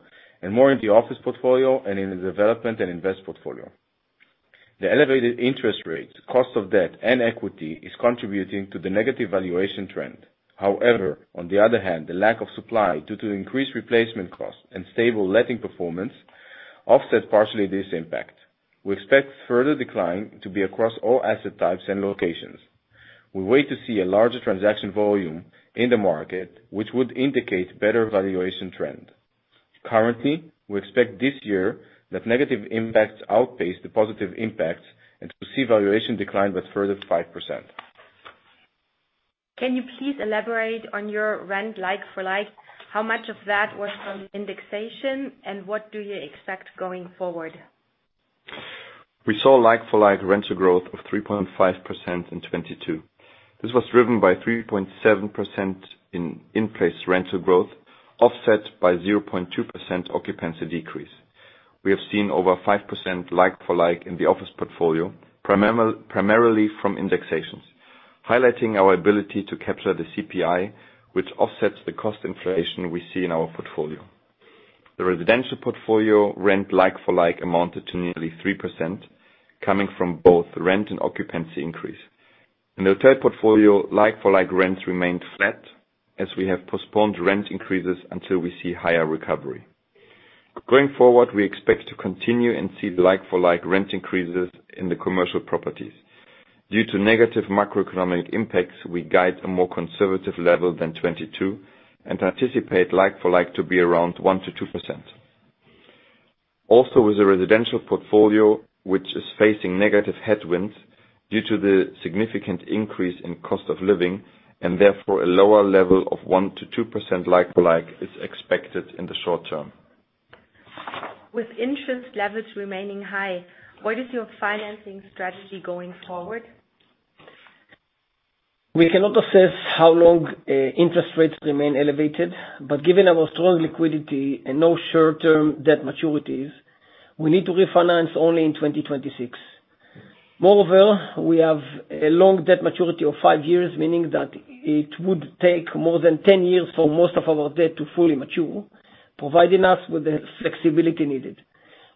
and more in the office portfolio and in the development and invest portfolio. The elevated interest rates, cost of debt, and equity is contributing to the negative valuation trend. On the other hand, the lack of supply due to increased replacement costs and stable letting performance offset partially this impact. We expect further decline to be across all asset types and locations. We wait to see a larger transaction volume in the market, which would indicate better valuation trend. Currently, we expect this year that negative impacts outpace the positive impacts and to see valuation decline with further 5%. Can you please elaborate on your rent like for like, how much of that was from indexation and what do you expect going forward? We saw like for like rental growth of 3.5% in 2022. This was driven by 3.7% in in-place rental growth, offset by 0.2% occupancy decrease. We have seen over 5% like for like in the office portfolio, primarily from indexations, highlighting our ability to capture the CPI, which offsets the cost inflation we see in our portfolio. The residential portfolio rent like for like amounted to nearly 3%, coming from both rent and occupancy increase. In the hotel portfolio, like for like rents remained flat as we have postponed rent increases until we see higher recovery. Going forward, we expect to continue and see the like for like rent increases in the commercial properties. Due to negative macroeconomic impacts, we guide a more conservative level than 2022 and anticipate like for like to be around 1%-2%. With the residential portfolio, which is facing negative headwinds due to the significant increase in cost of living, therefore a lower level of 1%-2% like for like is expected in the short term. With interest levels remaining high, what is your financing strategy going forward? We cannot assess how long interest rates remain elevated, but given our strong liquidity and no short-term debt maturities, we need to refinance only in 2026. We have a long debt maturity of five years, meaning that it would take more than 10 years for most of our debt to fully mature, providing us with the flexibility needed.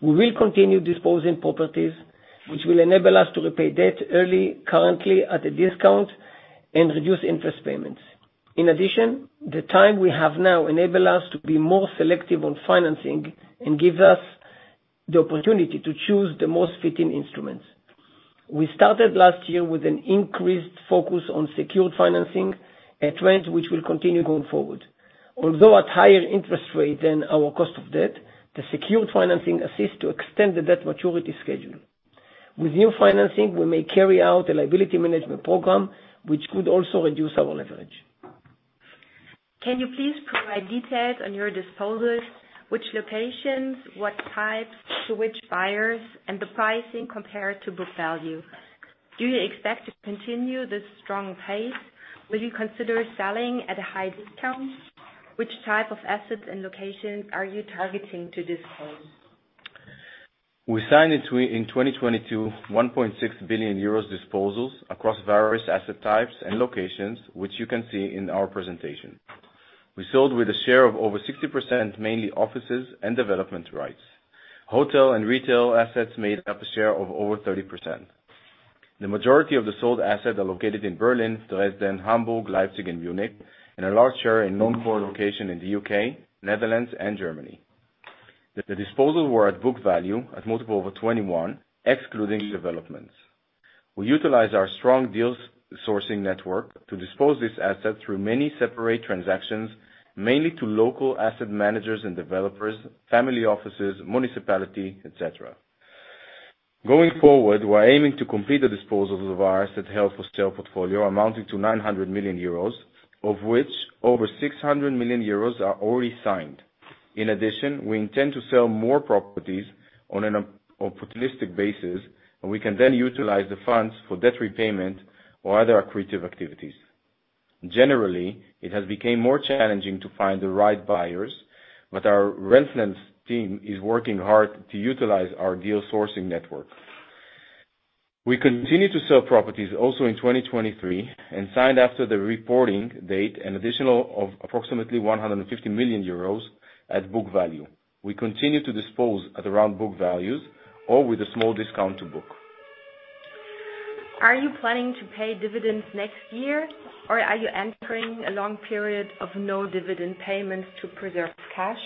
We will continue disposing properties, which will enable us to repay debt early, currently at a discount and reduce interest payments. The time we have now enable us to be more selective on financing and give us the opportunity to choose the most fitting instruments. We started last year with an increased focus on secured financing, a trend which will continue going forward. At higher interest rate than our cost of debt, the secured financing assists to extend the debt maturity schedule. With new financing, we may carry out a liability management program, which could also reduce our leverage. Can you please provide details on your disposals, which locations, what types, to which buyers, and the pricing compared to book value? Do you expect to continue this strong pace? Will you consider selling at a high discount? Which type of assets and locations are you targeting to dispose? We signed in 2022 1.6 billion euros disposals across various asset types and locations, which you can see in our presentation. We sold with a share of over 60%, mainly offices and development rights. Hotel and retail assets made up a share of over 30%. The majority of the sold assets are located in Berlin, Dresden, Hamburg, Leipzig, and Munich, and a large share in non-core location in the U.K, Netherlands, and Germany. The disposals were at book value at multiple over 21x, excluding developments. We utilize our strong deals sourcing network to dispose this asset through many separate transactions, mainly to local asset managers and developers, family offices, municipality, et cetera. Going forward, we're aiming to complete the disposals of our asset held for sale portfolio amounting to 900 million euros, of which over 600 million euros are already signed. In addition, we intend to sell more properties on an opportunistic basis, and we can then utilize the funds for debt repayment or other accretive activities. Generally, it has became more challenging to find the right buyers, but our rents finance team is working hard to utilize our deal sourcing network. We continue to sell properties also in 2023 and signed after the reporting date an additional of approximately 150 million euros at book value. We continue to dispose at around book values or with a small discount to book. Are you planning to pay dividends next year, or are you entering a long period of no dividend payments to preserve cash?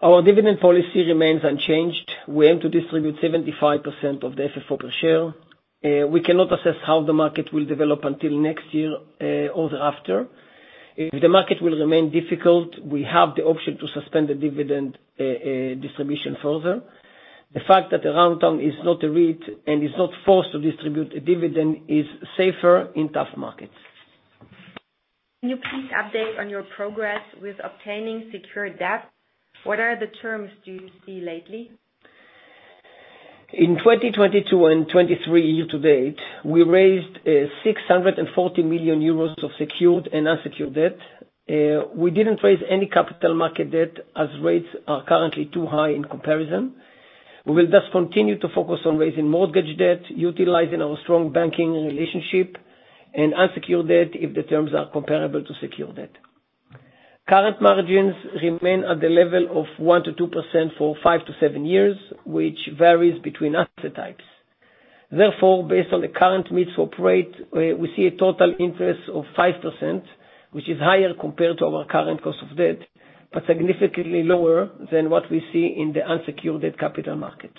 Our dividend policy remains unchanged. We aim to distribute 75% of the FFO per share. We cannot assess how the market will develop until next year or thereafter. If the market will remain difficult, we have the option to suspend the dividend distribution further. The fact that Aroundtown is not a REIT and is not forced to distribute a dividend is safer in tough markets. Can you please update on your progress with obtaining secure debt? What are the terms do you see lately? In 2022 and 2023 year to date, we raised 640 million euros of secured and unsecured debt. We didn't raise any capital market debt as rates are currently too high in comparison. We will just continue to focus on raising mortgage debt, utilizing our strong banking relationship and unsecured debt if the terms are comparable to secured debt. Current margins remain at the level of 1%-2% for five to seven years, which varies between asset types. Therefore, based on the current mid-swap rate, we see a total interest of 5%. Which is higher compared to our current cost of debt, but significantly lower than what we see in the unsecured debt capital market.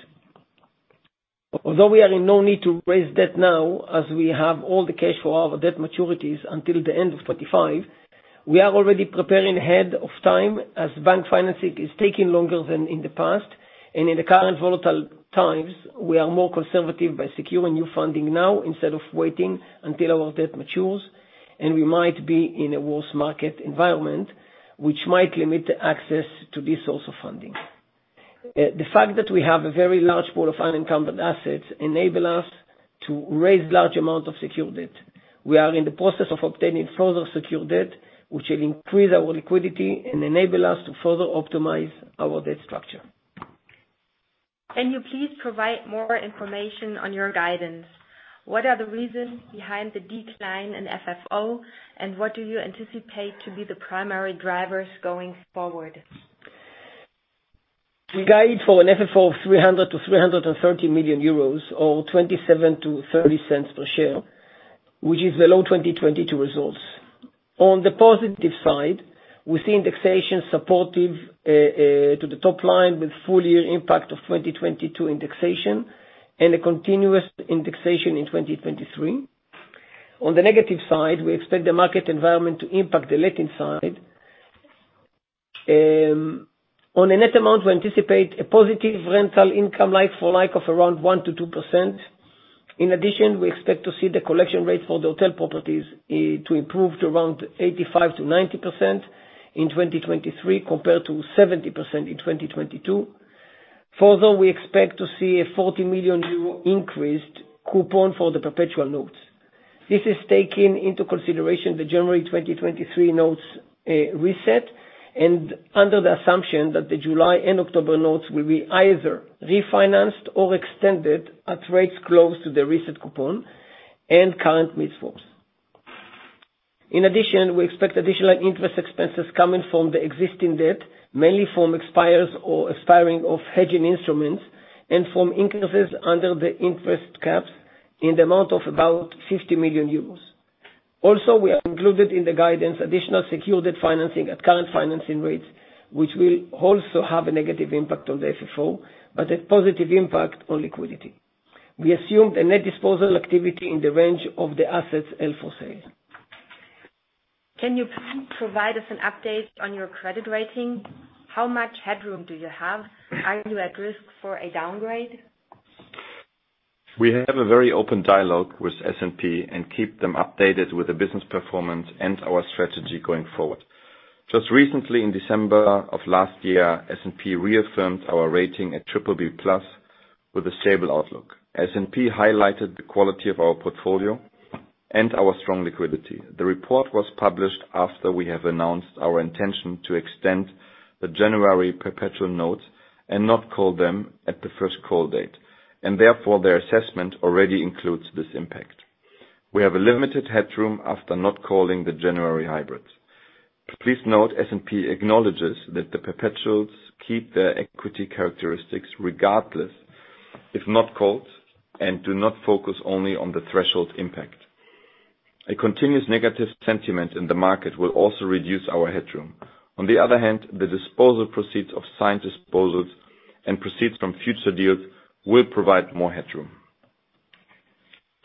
Although we are in no need to raise debt now, as we have all the cash for our debt maturities until the end of 2025, we are already preparing ahead of time as bank financing is taking longer than in the past, and in the current volatile times, we are more conservative by securing new funding now instead of waiting until our debt matures and we might be in a worse market environment, which might limit the access to this source of funding. The fact that we have a very large pool of unencumbered assets enable us to raise large amount of secured debt. We are in the process of obtaining further secured debt, which will increase our liquidity and enable us to further optimize our debt structure. Can you please provide more information on your guidance? What are the reasons behind the decline in FFO, and what do you anticipate to be the primary drivers going forward? We guide for an FFO of 300 million-330 million euros, or 0.27-0.30 per share, which is the low 2022 results. On the positive side, we see indexation supportive to the top line, with full year impact of 2022 indexation and a continuous indexation in 2023. On the negative side, we expect the market environment to impact the letting side. On a net amount, we anticipate a positive rental income like for like of around 1%-2%. In addition, we expect to see the collection rate for the hotel properties to improve to around 85%-90% in 2023 compared to 70% in 2022. Further, we expect to see a 40 million euro increased coupon for the perpetual notes. This is taking into consideration the January 2023 notes reset and under the assumption that the July and October notes will be either refinanced or extended at rates close to the recent coupon and current mid-swaps. In addition, we expect additional interest expenses coming from the existing debt, mainly from expires or expiring of hedging instruments and from increases under the interest caps in the amount of about 50 million euros. Also, we have included in the guidance additional secured debt financing at current financing rates, which will also have a negative impact on the FFO, but a positive impact on liquidity. We assumed a net disposal activity in the range of the assets held for sale. Can you provide us an update on your credit rating? How much headroom do you have? Are you at risk for a downgrade? We have a very open dialogue with S&P and keep them updated with the business performance and our strategy going forward. Just recently in December of last year, S&P reaffirmed our rating at triple B plus with a stable outlook. S&P highlighted the quality of our portfolio and our strong liquidity. The report was published after we have announced our intention to extend the January perpetual notes and not call them at the first call date, and therefore, their assessment already includes this impact. We have a limited headroom after not calling the January hybrids. Please note, S&P acknowledges that the perpetuals keep their equity characteristics regardless, if not called, and do not focus only on the threshold impact. A continuous negative sentiment in the market will also reduce our headroom. On the other hand, the disposal proceeds of signed disposals and proceeds from future deals will provide more headroom.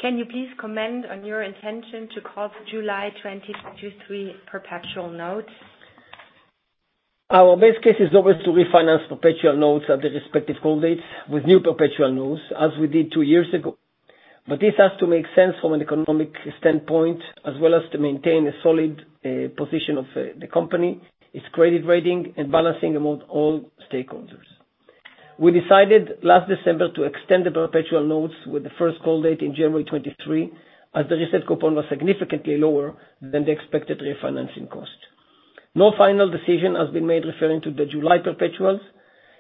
Can you please comment on your intention to call July 2023 perpetual notes? Our best case is always to refinance perpetual notes at the respective call dates with new perpetual notes, as we did two years ago. This has to make sense from an economic standpoint, as well as to maintain a solid position of the company, its credit rating, and balancing among all stakeholders. We decided last December to extend the perpetual notes with the first call date in January 2023, as the reset coupon was significantly lower than the expected refinancing cost. No final decision has been made referring to the July perpetuals,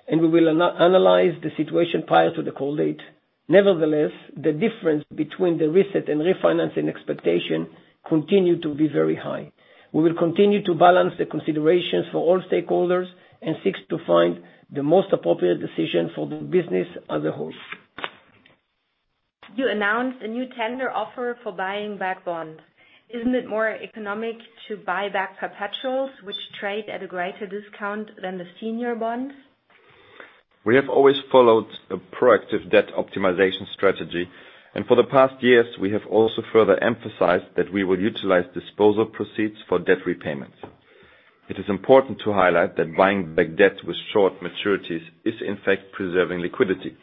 and we will analyze the situation prior to the call date. Nevertheless, the difference between the reset and refinancing expectation continue to be very high. We will continue to balance the considerations for all stakeholders and seek to find the most appropriate decision for the business as a whole. You announced a new tender offer for buying back bonds. Isn't it more economic to buy back perpetuals which trade at a greater discount than the senior bonds? We have always followed a proactive debt optimization strategy. For the past years, we have also further emphasized that we will utilize disposal proceeds for debt repayments. It is important to highlight that buying back debt with short maturities is in fact preserving liquidity.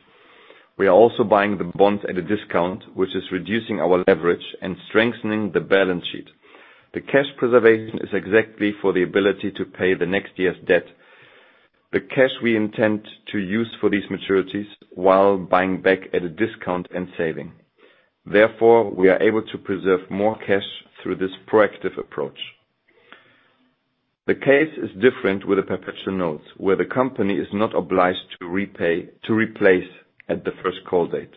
We are also buying the bonds at a discount, which is reducing our leverage and strengthening the balance sheet. The cash preservation is exactly for the ability to pay the next year's debt. The cash we intend to use for these maturities while buying back at a discount and saving. Therefore, we are able to preserve more cash through this proactive approach. The case is different with the perpetual notes, where the company is not obliged to repay to replace at the first call date.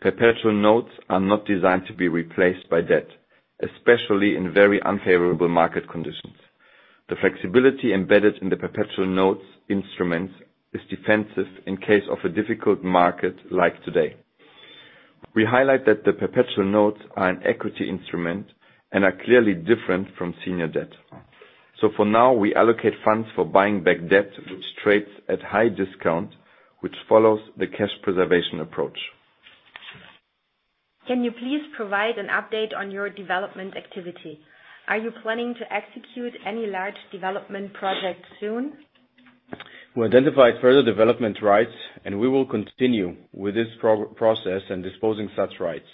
Perpetual notes are not designed to be replaced by debt, especially in very unfavorable market conditions. The flexibility embedded in the perpetual notes instruments is defensive in case of a difficult market like today. We highlight that the perpetual notes are an equity instrument and are clearly different from senior debt. For now, we allocate funds for buying back debt, which trades at high discount, which follows the cash preservation approach. Can you please provide an update on your development activity? Are you planning to execute any large development projects soon? We identified further development rights. We will continue with this pro-process and disposing such rights.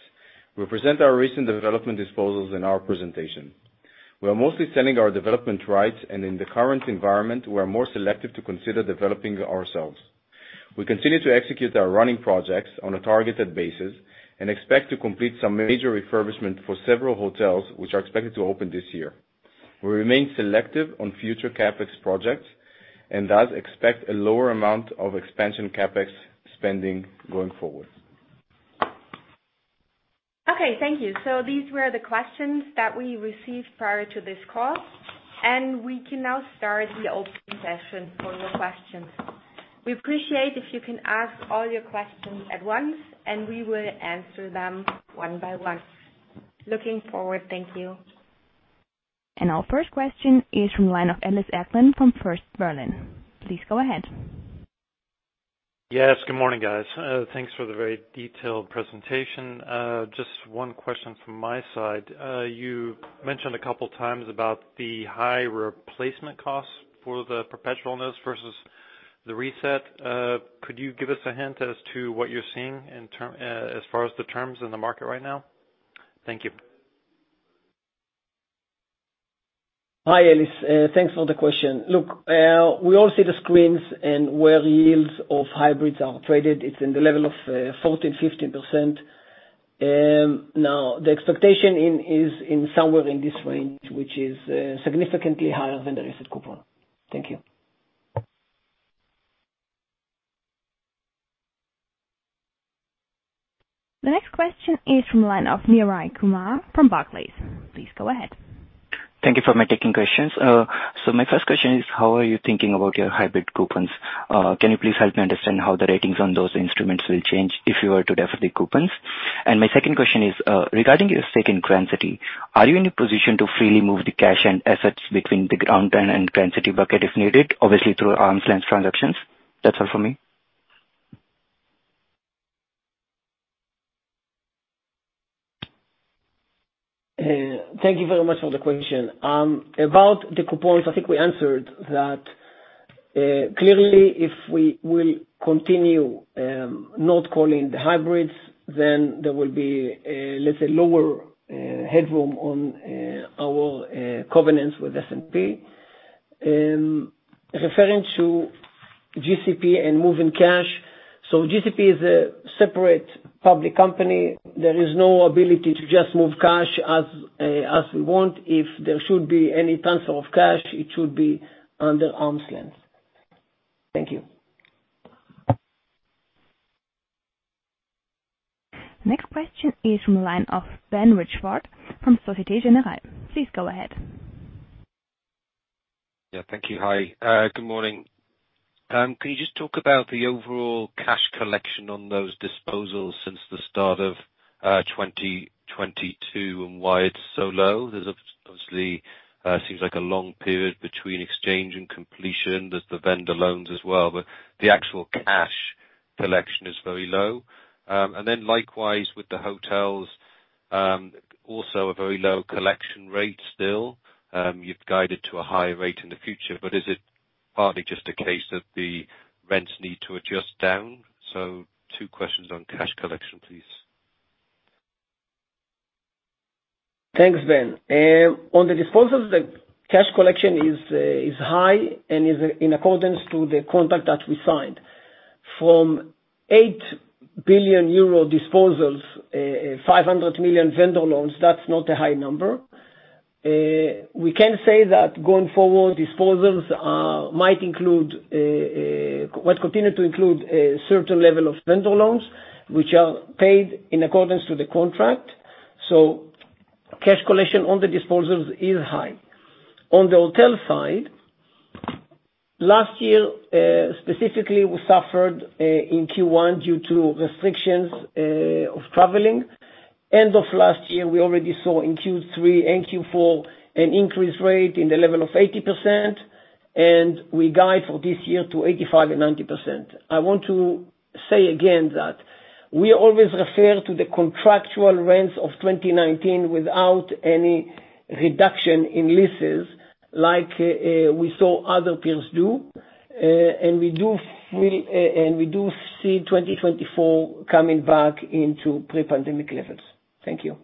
We present our recent development disposals in our presentation. We are mostly selling our development rights. In the current environment, we are more selective to consider developing ourselves. We continue to execute our running projects on a targeted basis and expect to complete some major refurbishment for several hotels, which are expected to open this year. We remain selective on future CapEx projects and thus expect a lower amount of expansion CapEx spending going forward. Okay, thank you. These were the questions that we received prior to this call. We can now start the open session for your questions. We appreciate if you can ask all your questions at once. We will answer them one by one. Looking forward. Thank you. Our first question is from the line of Ellis Acklin from First Berlin. Please go ahead. Yes, good morning, guys. Thanks for the very detailed presentation. Just one question from my side. You mentioned a couple of times about the high replacement costs for the perpetual notes versus the reset. Could you give us a hint as to what you're seeing in term, as far as the terms in the market right now? Thank you. Hi, Ellis. thanks for the question. Look, we all see the screens and where yields of hybrids are traded. It's in the level of 14.50%. Now, the expectation is in somewhere in this range, which is significantly higher than the recent coupon. Thank you. The next question is from line of Kiran Kumar from Barclays. Please go ahead. Thank you for taking my questions. My first question is, how are you thinking about your hybrid coupons? Can you please help me understand how the ratings on those instruments will change if you were to defer the coupons? My second question is, regarding your stake in Grand City, are you in a position to freely move the cash and assets between the ground and Grand City bucket if needed, obviously through arm's-length transactions? That's all for me. Thank you very much for the question. About the coupons, I think we answered that. Clearly, if we will continue not calling the hybrids, then there will be, let's say, lower headroom on our covenants with S&P. Referring to GCP and moving cash. GCP is a separate public company. There is no ability to just move cash as we want. If there should be any transfer of cash, it should be under arm's length. Thank you. Next question is from a line of Ben Richford from Société Générale. Please go ahead. Yeah, thank you. Hi. Good morning. Can you just talk about the overall cash collection on those disposals since the start of 2022 and why it's so low? There's obviously, seems like a long period between exchange and completion. There's the vendor loans as well, but the actual cash collection is very low. Likewise with the hotels, also a very low collection rate still. You've guided to a higher rate in the future, but is it partly just a case that the rents need to adjust down? Two questions on cash collection, please. Thanks, Ben. On the disposals, the cash collection is high and is in accordance to the contract that we signed. From 8 billion euro disposals, 500 million vendor loans, that's not a high number. We can say that going forward, disposals might include, might continue to include a certain level of vendor loans, which are paid in accordance to the contract. Cash collection on the disposals is high. On the hotel side, last year, specifically, we suffered in Q1 due to restrictions of traveling. End of last year, we already saw in Q3 and Q4 an increased rate in the level of 80%, and we guide for this year to 85% and 90%. I want to say again that we always refer to the contractual rents of 2019 without any reduction in leases like, we saw other peers do. We do see 2024 coming back into pre-pandemic levels. Thank you.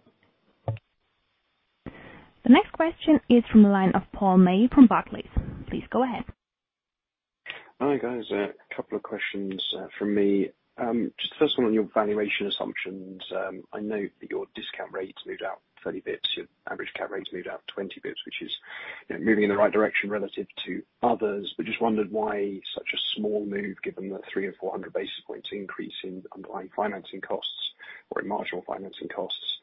The next question is from the line of Paul May from Barclays. Please go ahead. Hi, guys. A couple of questions from me. Just first one on your valuation assumptions. I know that your discount rates moved out 30 bits, your average discount rates moved out 20 bits, which is, you know, moving in the right direction relative to others. Just wondered why such a small move, given the 300-400 basis points increase in underlying financing costs or in marginal financing costs.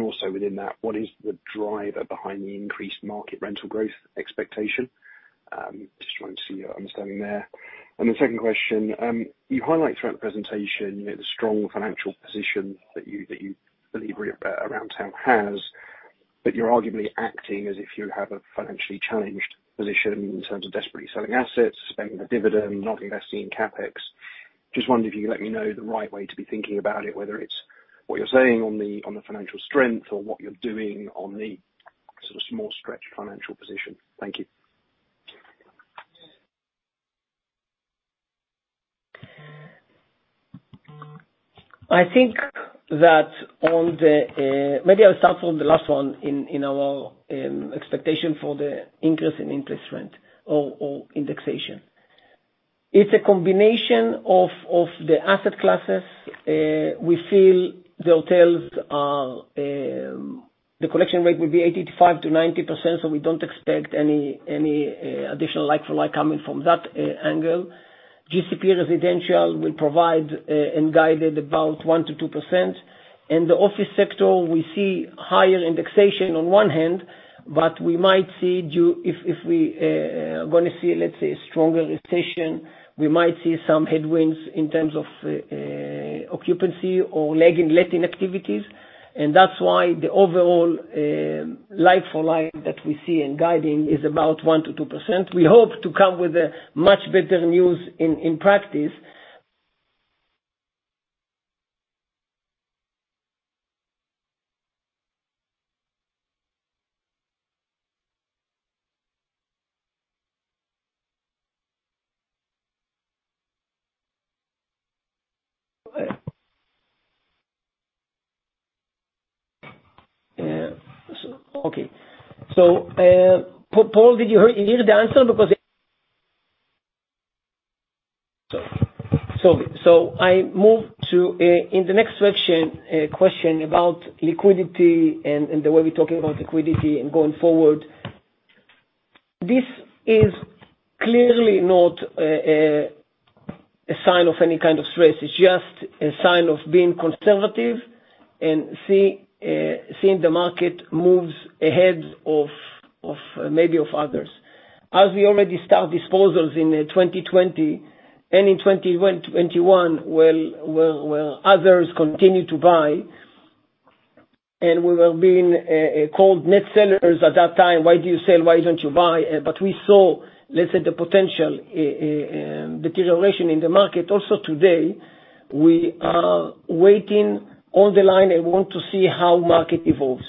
Also within that, what is the driver behind the increased market rental growth expectation? Just trying to see your understanding there. The second question, you highlight throughout the presentation, you know, the strong financial position that you, that you believe Aroundtown has, but you're arguably acting as if you have a financially challenged position in terms of desperately selling assets, suspending the dividend, not investing in CapEx. Just wondering if you could let me know the right way to be thinking about it, whether it's what you're saying on the, on the financial strength or what you're doing on the sort of more stretched financial position. Thank you. I think that on the... Maybe I'll start from the last one in our expectation for the increase in interest rate or indexation. It's a combination of the asset classes. We feel the hotels are the collection rate will be 85%-90%, so we don't expect any additional like for like coming from that angle. GCP residential will provide and guided about 1%-2%. In the office sector, we see higher indexation on one hand, but we might see if we gonna see, let's say, stronger recession, we might see some headwinds in terms of occupancy or lagging letting activities. That's why the overall like for like that we see in guiding is about 1%-2%. We hope to come with a much better news in practice. Okay. Paul, did you hear the answer? Because. I move to in the next section, question about liquidity and the way we're talking about liquidity and going forward. This is clearly not a sign of any kind of stress. It's just a sign of being conservative and seeing the market moves ahead of maybe of others. As we already start disposals in 2020 and in 2021, where others continue to buy, and we were being called net sellers at that time, "Why do you sell? Why don't you buy?" We saw, let's say, the potential deterioration in the market. Today, we are waiting on the line and want to see how market evolves.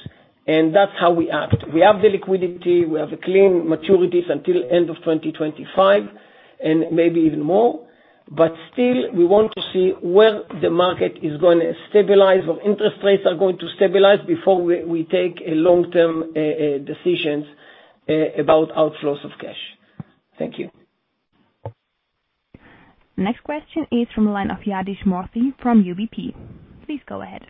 That's how we act. We have the liquidity, we have a clean maturities until end of 2025. Maybe even more. Still, we want to see where the market is gonna stabilize or interest rates are going to stabilize before we take a long-term decisions about outflows of cash. Thank you. Next question is from the line of Yadish Murthy from UBP. Please go ahead.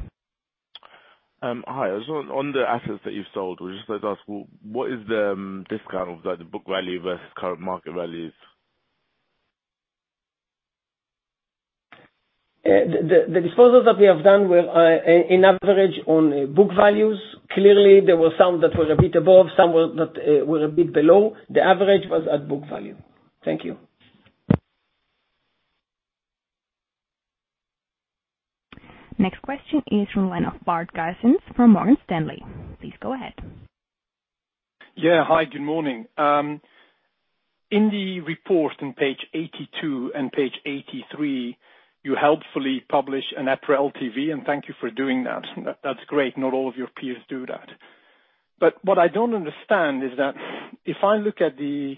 Hi. On the assets that you've sold, we'd just like to ask, what is the discount of the book value versus current market values? The disposals that we have done were in average on book values. Clearly, there were some that were a bit above, some that were a bit below. The average was at book value. Thank you. Next question is from Bart Gysens from Morgan Stanley. Please go ahead. Yeah. Hi, good morning. In the report on page 82 and page 83, you helpfully publish a net LTV. Thank you for doing that. That's great. Not all of your peers do that. What I don't understand is that if I look at the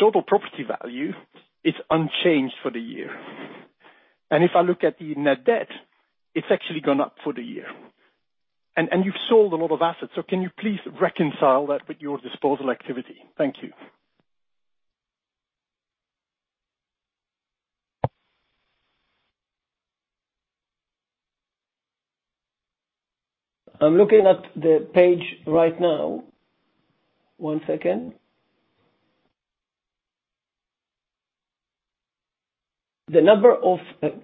total property value, it's unchanged for the year. If I look at the net debt, it's actually gone up for the year. You've sold a lot of assets, can you please reconcile that with your disposal activity? Thank you. I'm looking at the page right now. One second.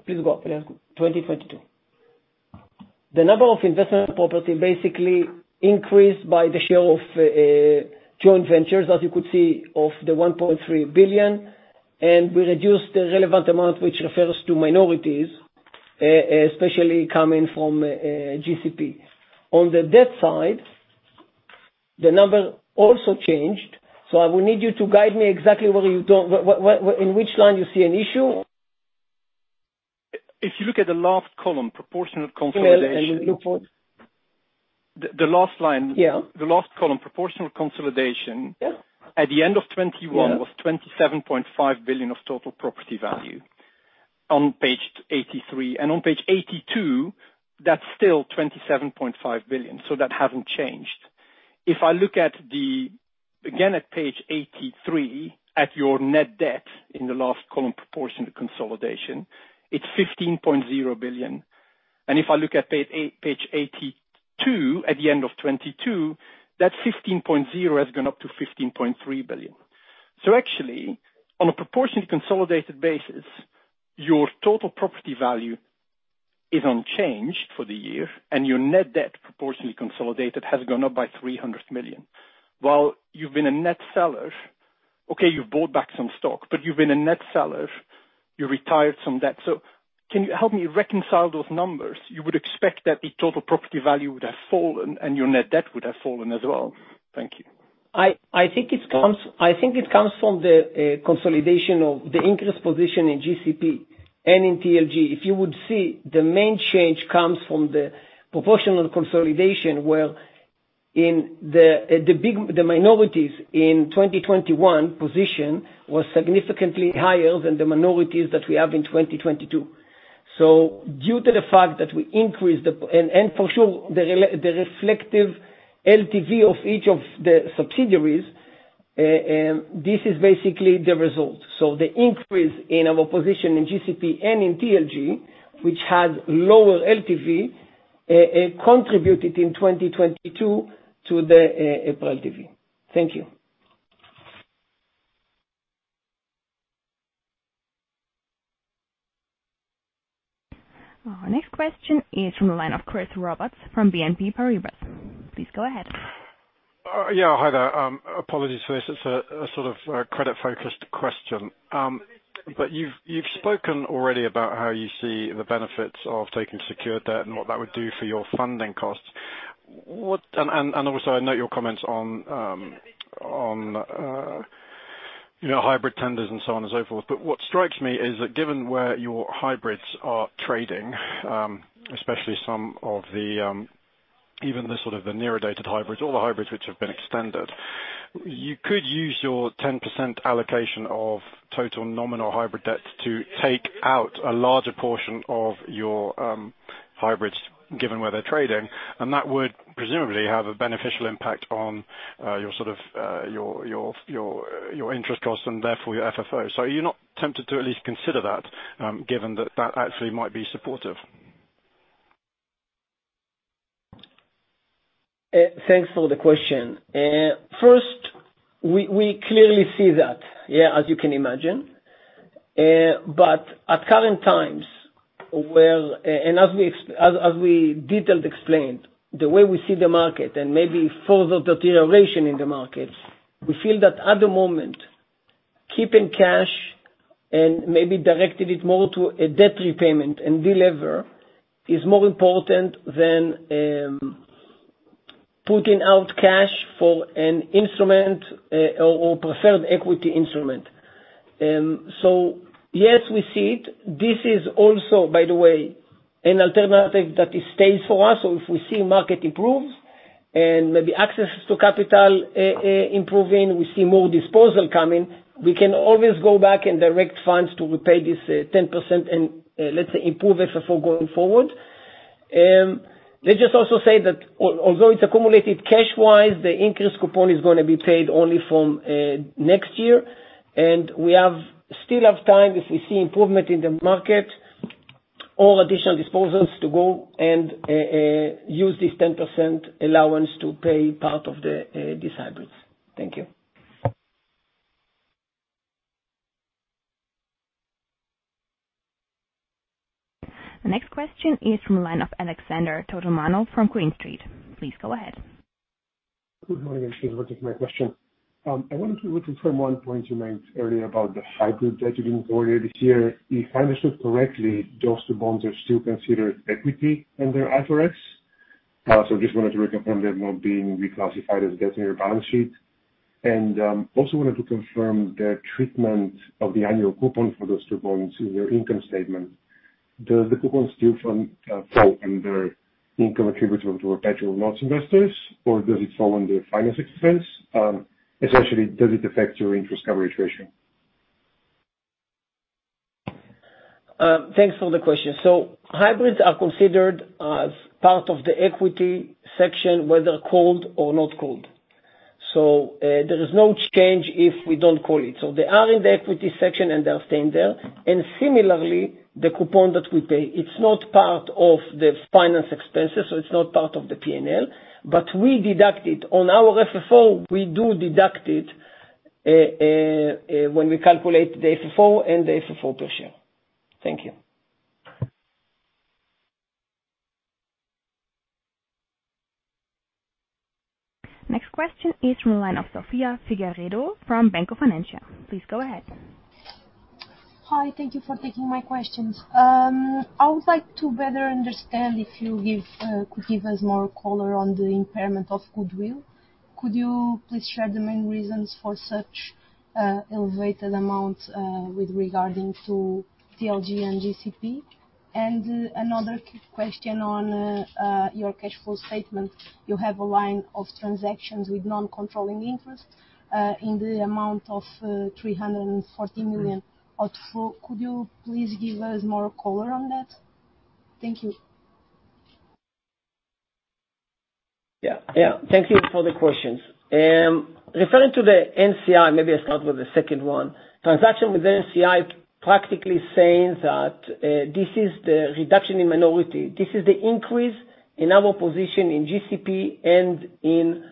Please go up. Yeah, 2022. The number of investment property basically increased by the share of joint ventures, as you could see, of the 1.3 billion, and we reduced the relevant amount which refers to minorities, especially coming from GCP. On the debt side, the number also changed. I will need you to guide me exactly where you what. In which line you see an issue. If you look at the last column, proportional consolidation- Yeah, yeah. Let me look for it. The last line. Yeah. The last column, proportional consolidation- Yeah. at the end of 2021. Yeah. -was 27.5 billion of total property value on page 83. On page 82, that's still 27.5 billion, so that hasn't changed. If I look at the... Again, at page 83, at your net debt in the last column, proportional consolidation, it's 15.0 billion. If I look at page 82 at the end of 2022, that 15.0 has gone up to 15.3 billion. Actually, on a proportionally consolidated basis, your total property value is unchanged for the year, and your net debt proportionally consolidated has gone up by 300 million. While you've been a net seller, okay, you've bought back some stock, but you've been a net seller, you retired some debt. Can you help me reconcile those numbers? You would expect that the total property value would have fallen and your net debt would have fallen as well. Thank you. I think it comes from the consolidation of the increased position in GCP and in TLG. If you would see, the main change comes from the proportional consolidation, where in the minorities in 2021 position was significantly higher than the minorities that we have in 2022. Due to the fact that we increased the... For sure, the reflective LTV of each of the subsidiaries, this is basically the result. The increase in our position in GCP and in TLG, which has lower LTV, contributed in 2022 to the EPRA LTV. Thank you. Our next question is from the line of Chris Roberts from BNP Paribas. Please go ahead. Yeah. Hi there. Apologies for this. It's a sort of a credit-focused question. You've, you've spoken already about how you see the benefits of taking secured debt and what that would do for your funding costs. And also, I note your comments on, you know, hybrid tenders and so on and so forth. What strikes me is that given where your hybrids are trading, especially some of the, even the sort of the nearer dated hybrids, all the hybrids which have been extended, you could use your 10% allocation of total nominal hybrid debts to take out a larger portion of your hybrids, given where they're trading, and that would presumably have a beneficial impact on your sort of, your, your interest costs and therefore your FFO. Are you not tempted to at least consider that, given that that actually might be supportive? Thanks for the question. First, we clearly see that, yeah, as you can imagine. At current times where, as we detailed explained, the way we see the market and maybe further deterioration in the markets, we feel that at the moment, keeping cash and maybe directing it more to a debt repayment and delever is more important than putting out cash for an instrument or preferred equity instrument. Yes, we see it. This is also, by the way, an alternative that it stays for us. If we see market improves and maybe access to capital improving, we see more disposal coming, we can always go back and direct funds to repay this 10% and let's say improve FFO going forward. Let's just also say that although it's accumulated cash-wise, the interest coupon is gonna be paid only from next year. We have, still have time if we see improvement in the market or additional disposals to go and use this 10% allowance to pay part of these hybrids. Thank you. The next question is from the line of Alexander Totomanov from Green Street. Please go ahead. Good morning. Thanks for taking my question. I wanted to confirm one point you made earlier about the hybrid that you didn't borrow this year. If I understood correctly, those two bonds are still considered equity in their IFRS. Just wanted to confirm they're not being reclassified as debt in your balance sheet. Also wanted to confirm the treatment of the annual coupon for those two bonds in your income statement. Does the coupon still fall under income attributable to perpetual bonds investors, or does it fall under finance expense? Essentially, does it affect your interest coverage ratio? Thanks for the question. Hybrids are considered as part of the equity section, whether called or not called. There is no change if we don't call it. They are in the equity section, and they'll stay in there. Similarly, the coupon that we pay, it's not part of the finance expenses, so it's not part of the P&L. We deduct it. On our FFO, we do deduct it when we calculate the FFO and the FFO per share. Thank you. Next question is from the line of Sofia Figueiredo from Alantra Equities. Please go ahead. Hi. Thank you for taking my questions. I would like to better understand if you could give us more color on the impairment of goodwill. Could you please share the main reasons for such elevated amount with regarding to TLG and GCP? Another question on your cash flow statement. You have a line of transactions with non-controlling interest in the amount of 340 million outflow. Could you please give us more color on that? Thank you. Yeah. Yeah. Thank you for the questions. Referring to the NCI, maybe I'll start with the second one. Transaction with NCI practically saying that this is the reduction in minority. This is the increase in our position in GCP and in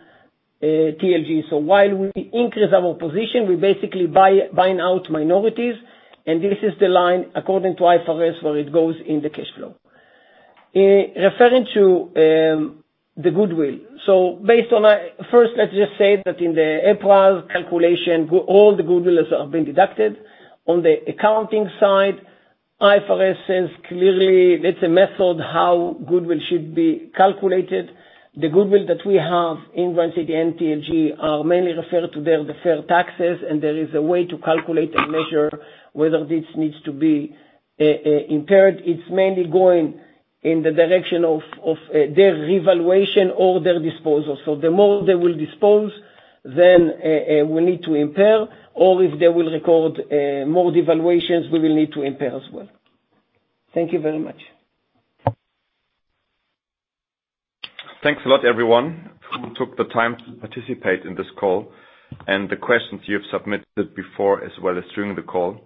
TLG. While we increase our position, we basically buying out minorities, and this is the line according to IFRS, where it goes in the cash flow. Referring to the goodwill. First, let's just say that in the April calculation, all the goodwill have been deducted. On the accounting side, IFRS says clearly it's a method how goodwill should be calculated. The goodwill that we have in Grand City and TLG are mainly referred to their deferred taxes, and there is a way to calculate and measure whether this needs to be impaired. It's mainly going in the direction of their revaluation or their disposal. The more they will dispose, then, we need to impair, or if they will record, more devaluations, we will need to impair as well. Thank you very much. Thanks a lot, everyone, who took the time to participate in this call and the questions you've submitted before as well as during the call.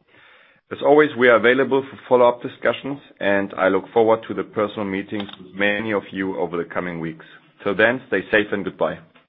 As always, we are available for follow-up discussions, and I look forward to the personal meetings with many of you over the coming weeks. Till then, stay safe and goodbye.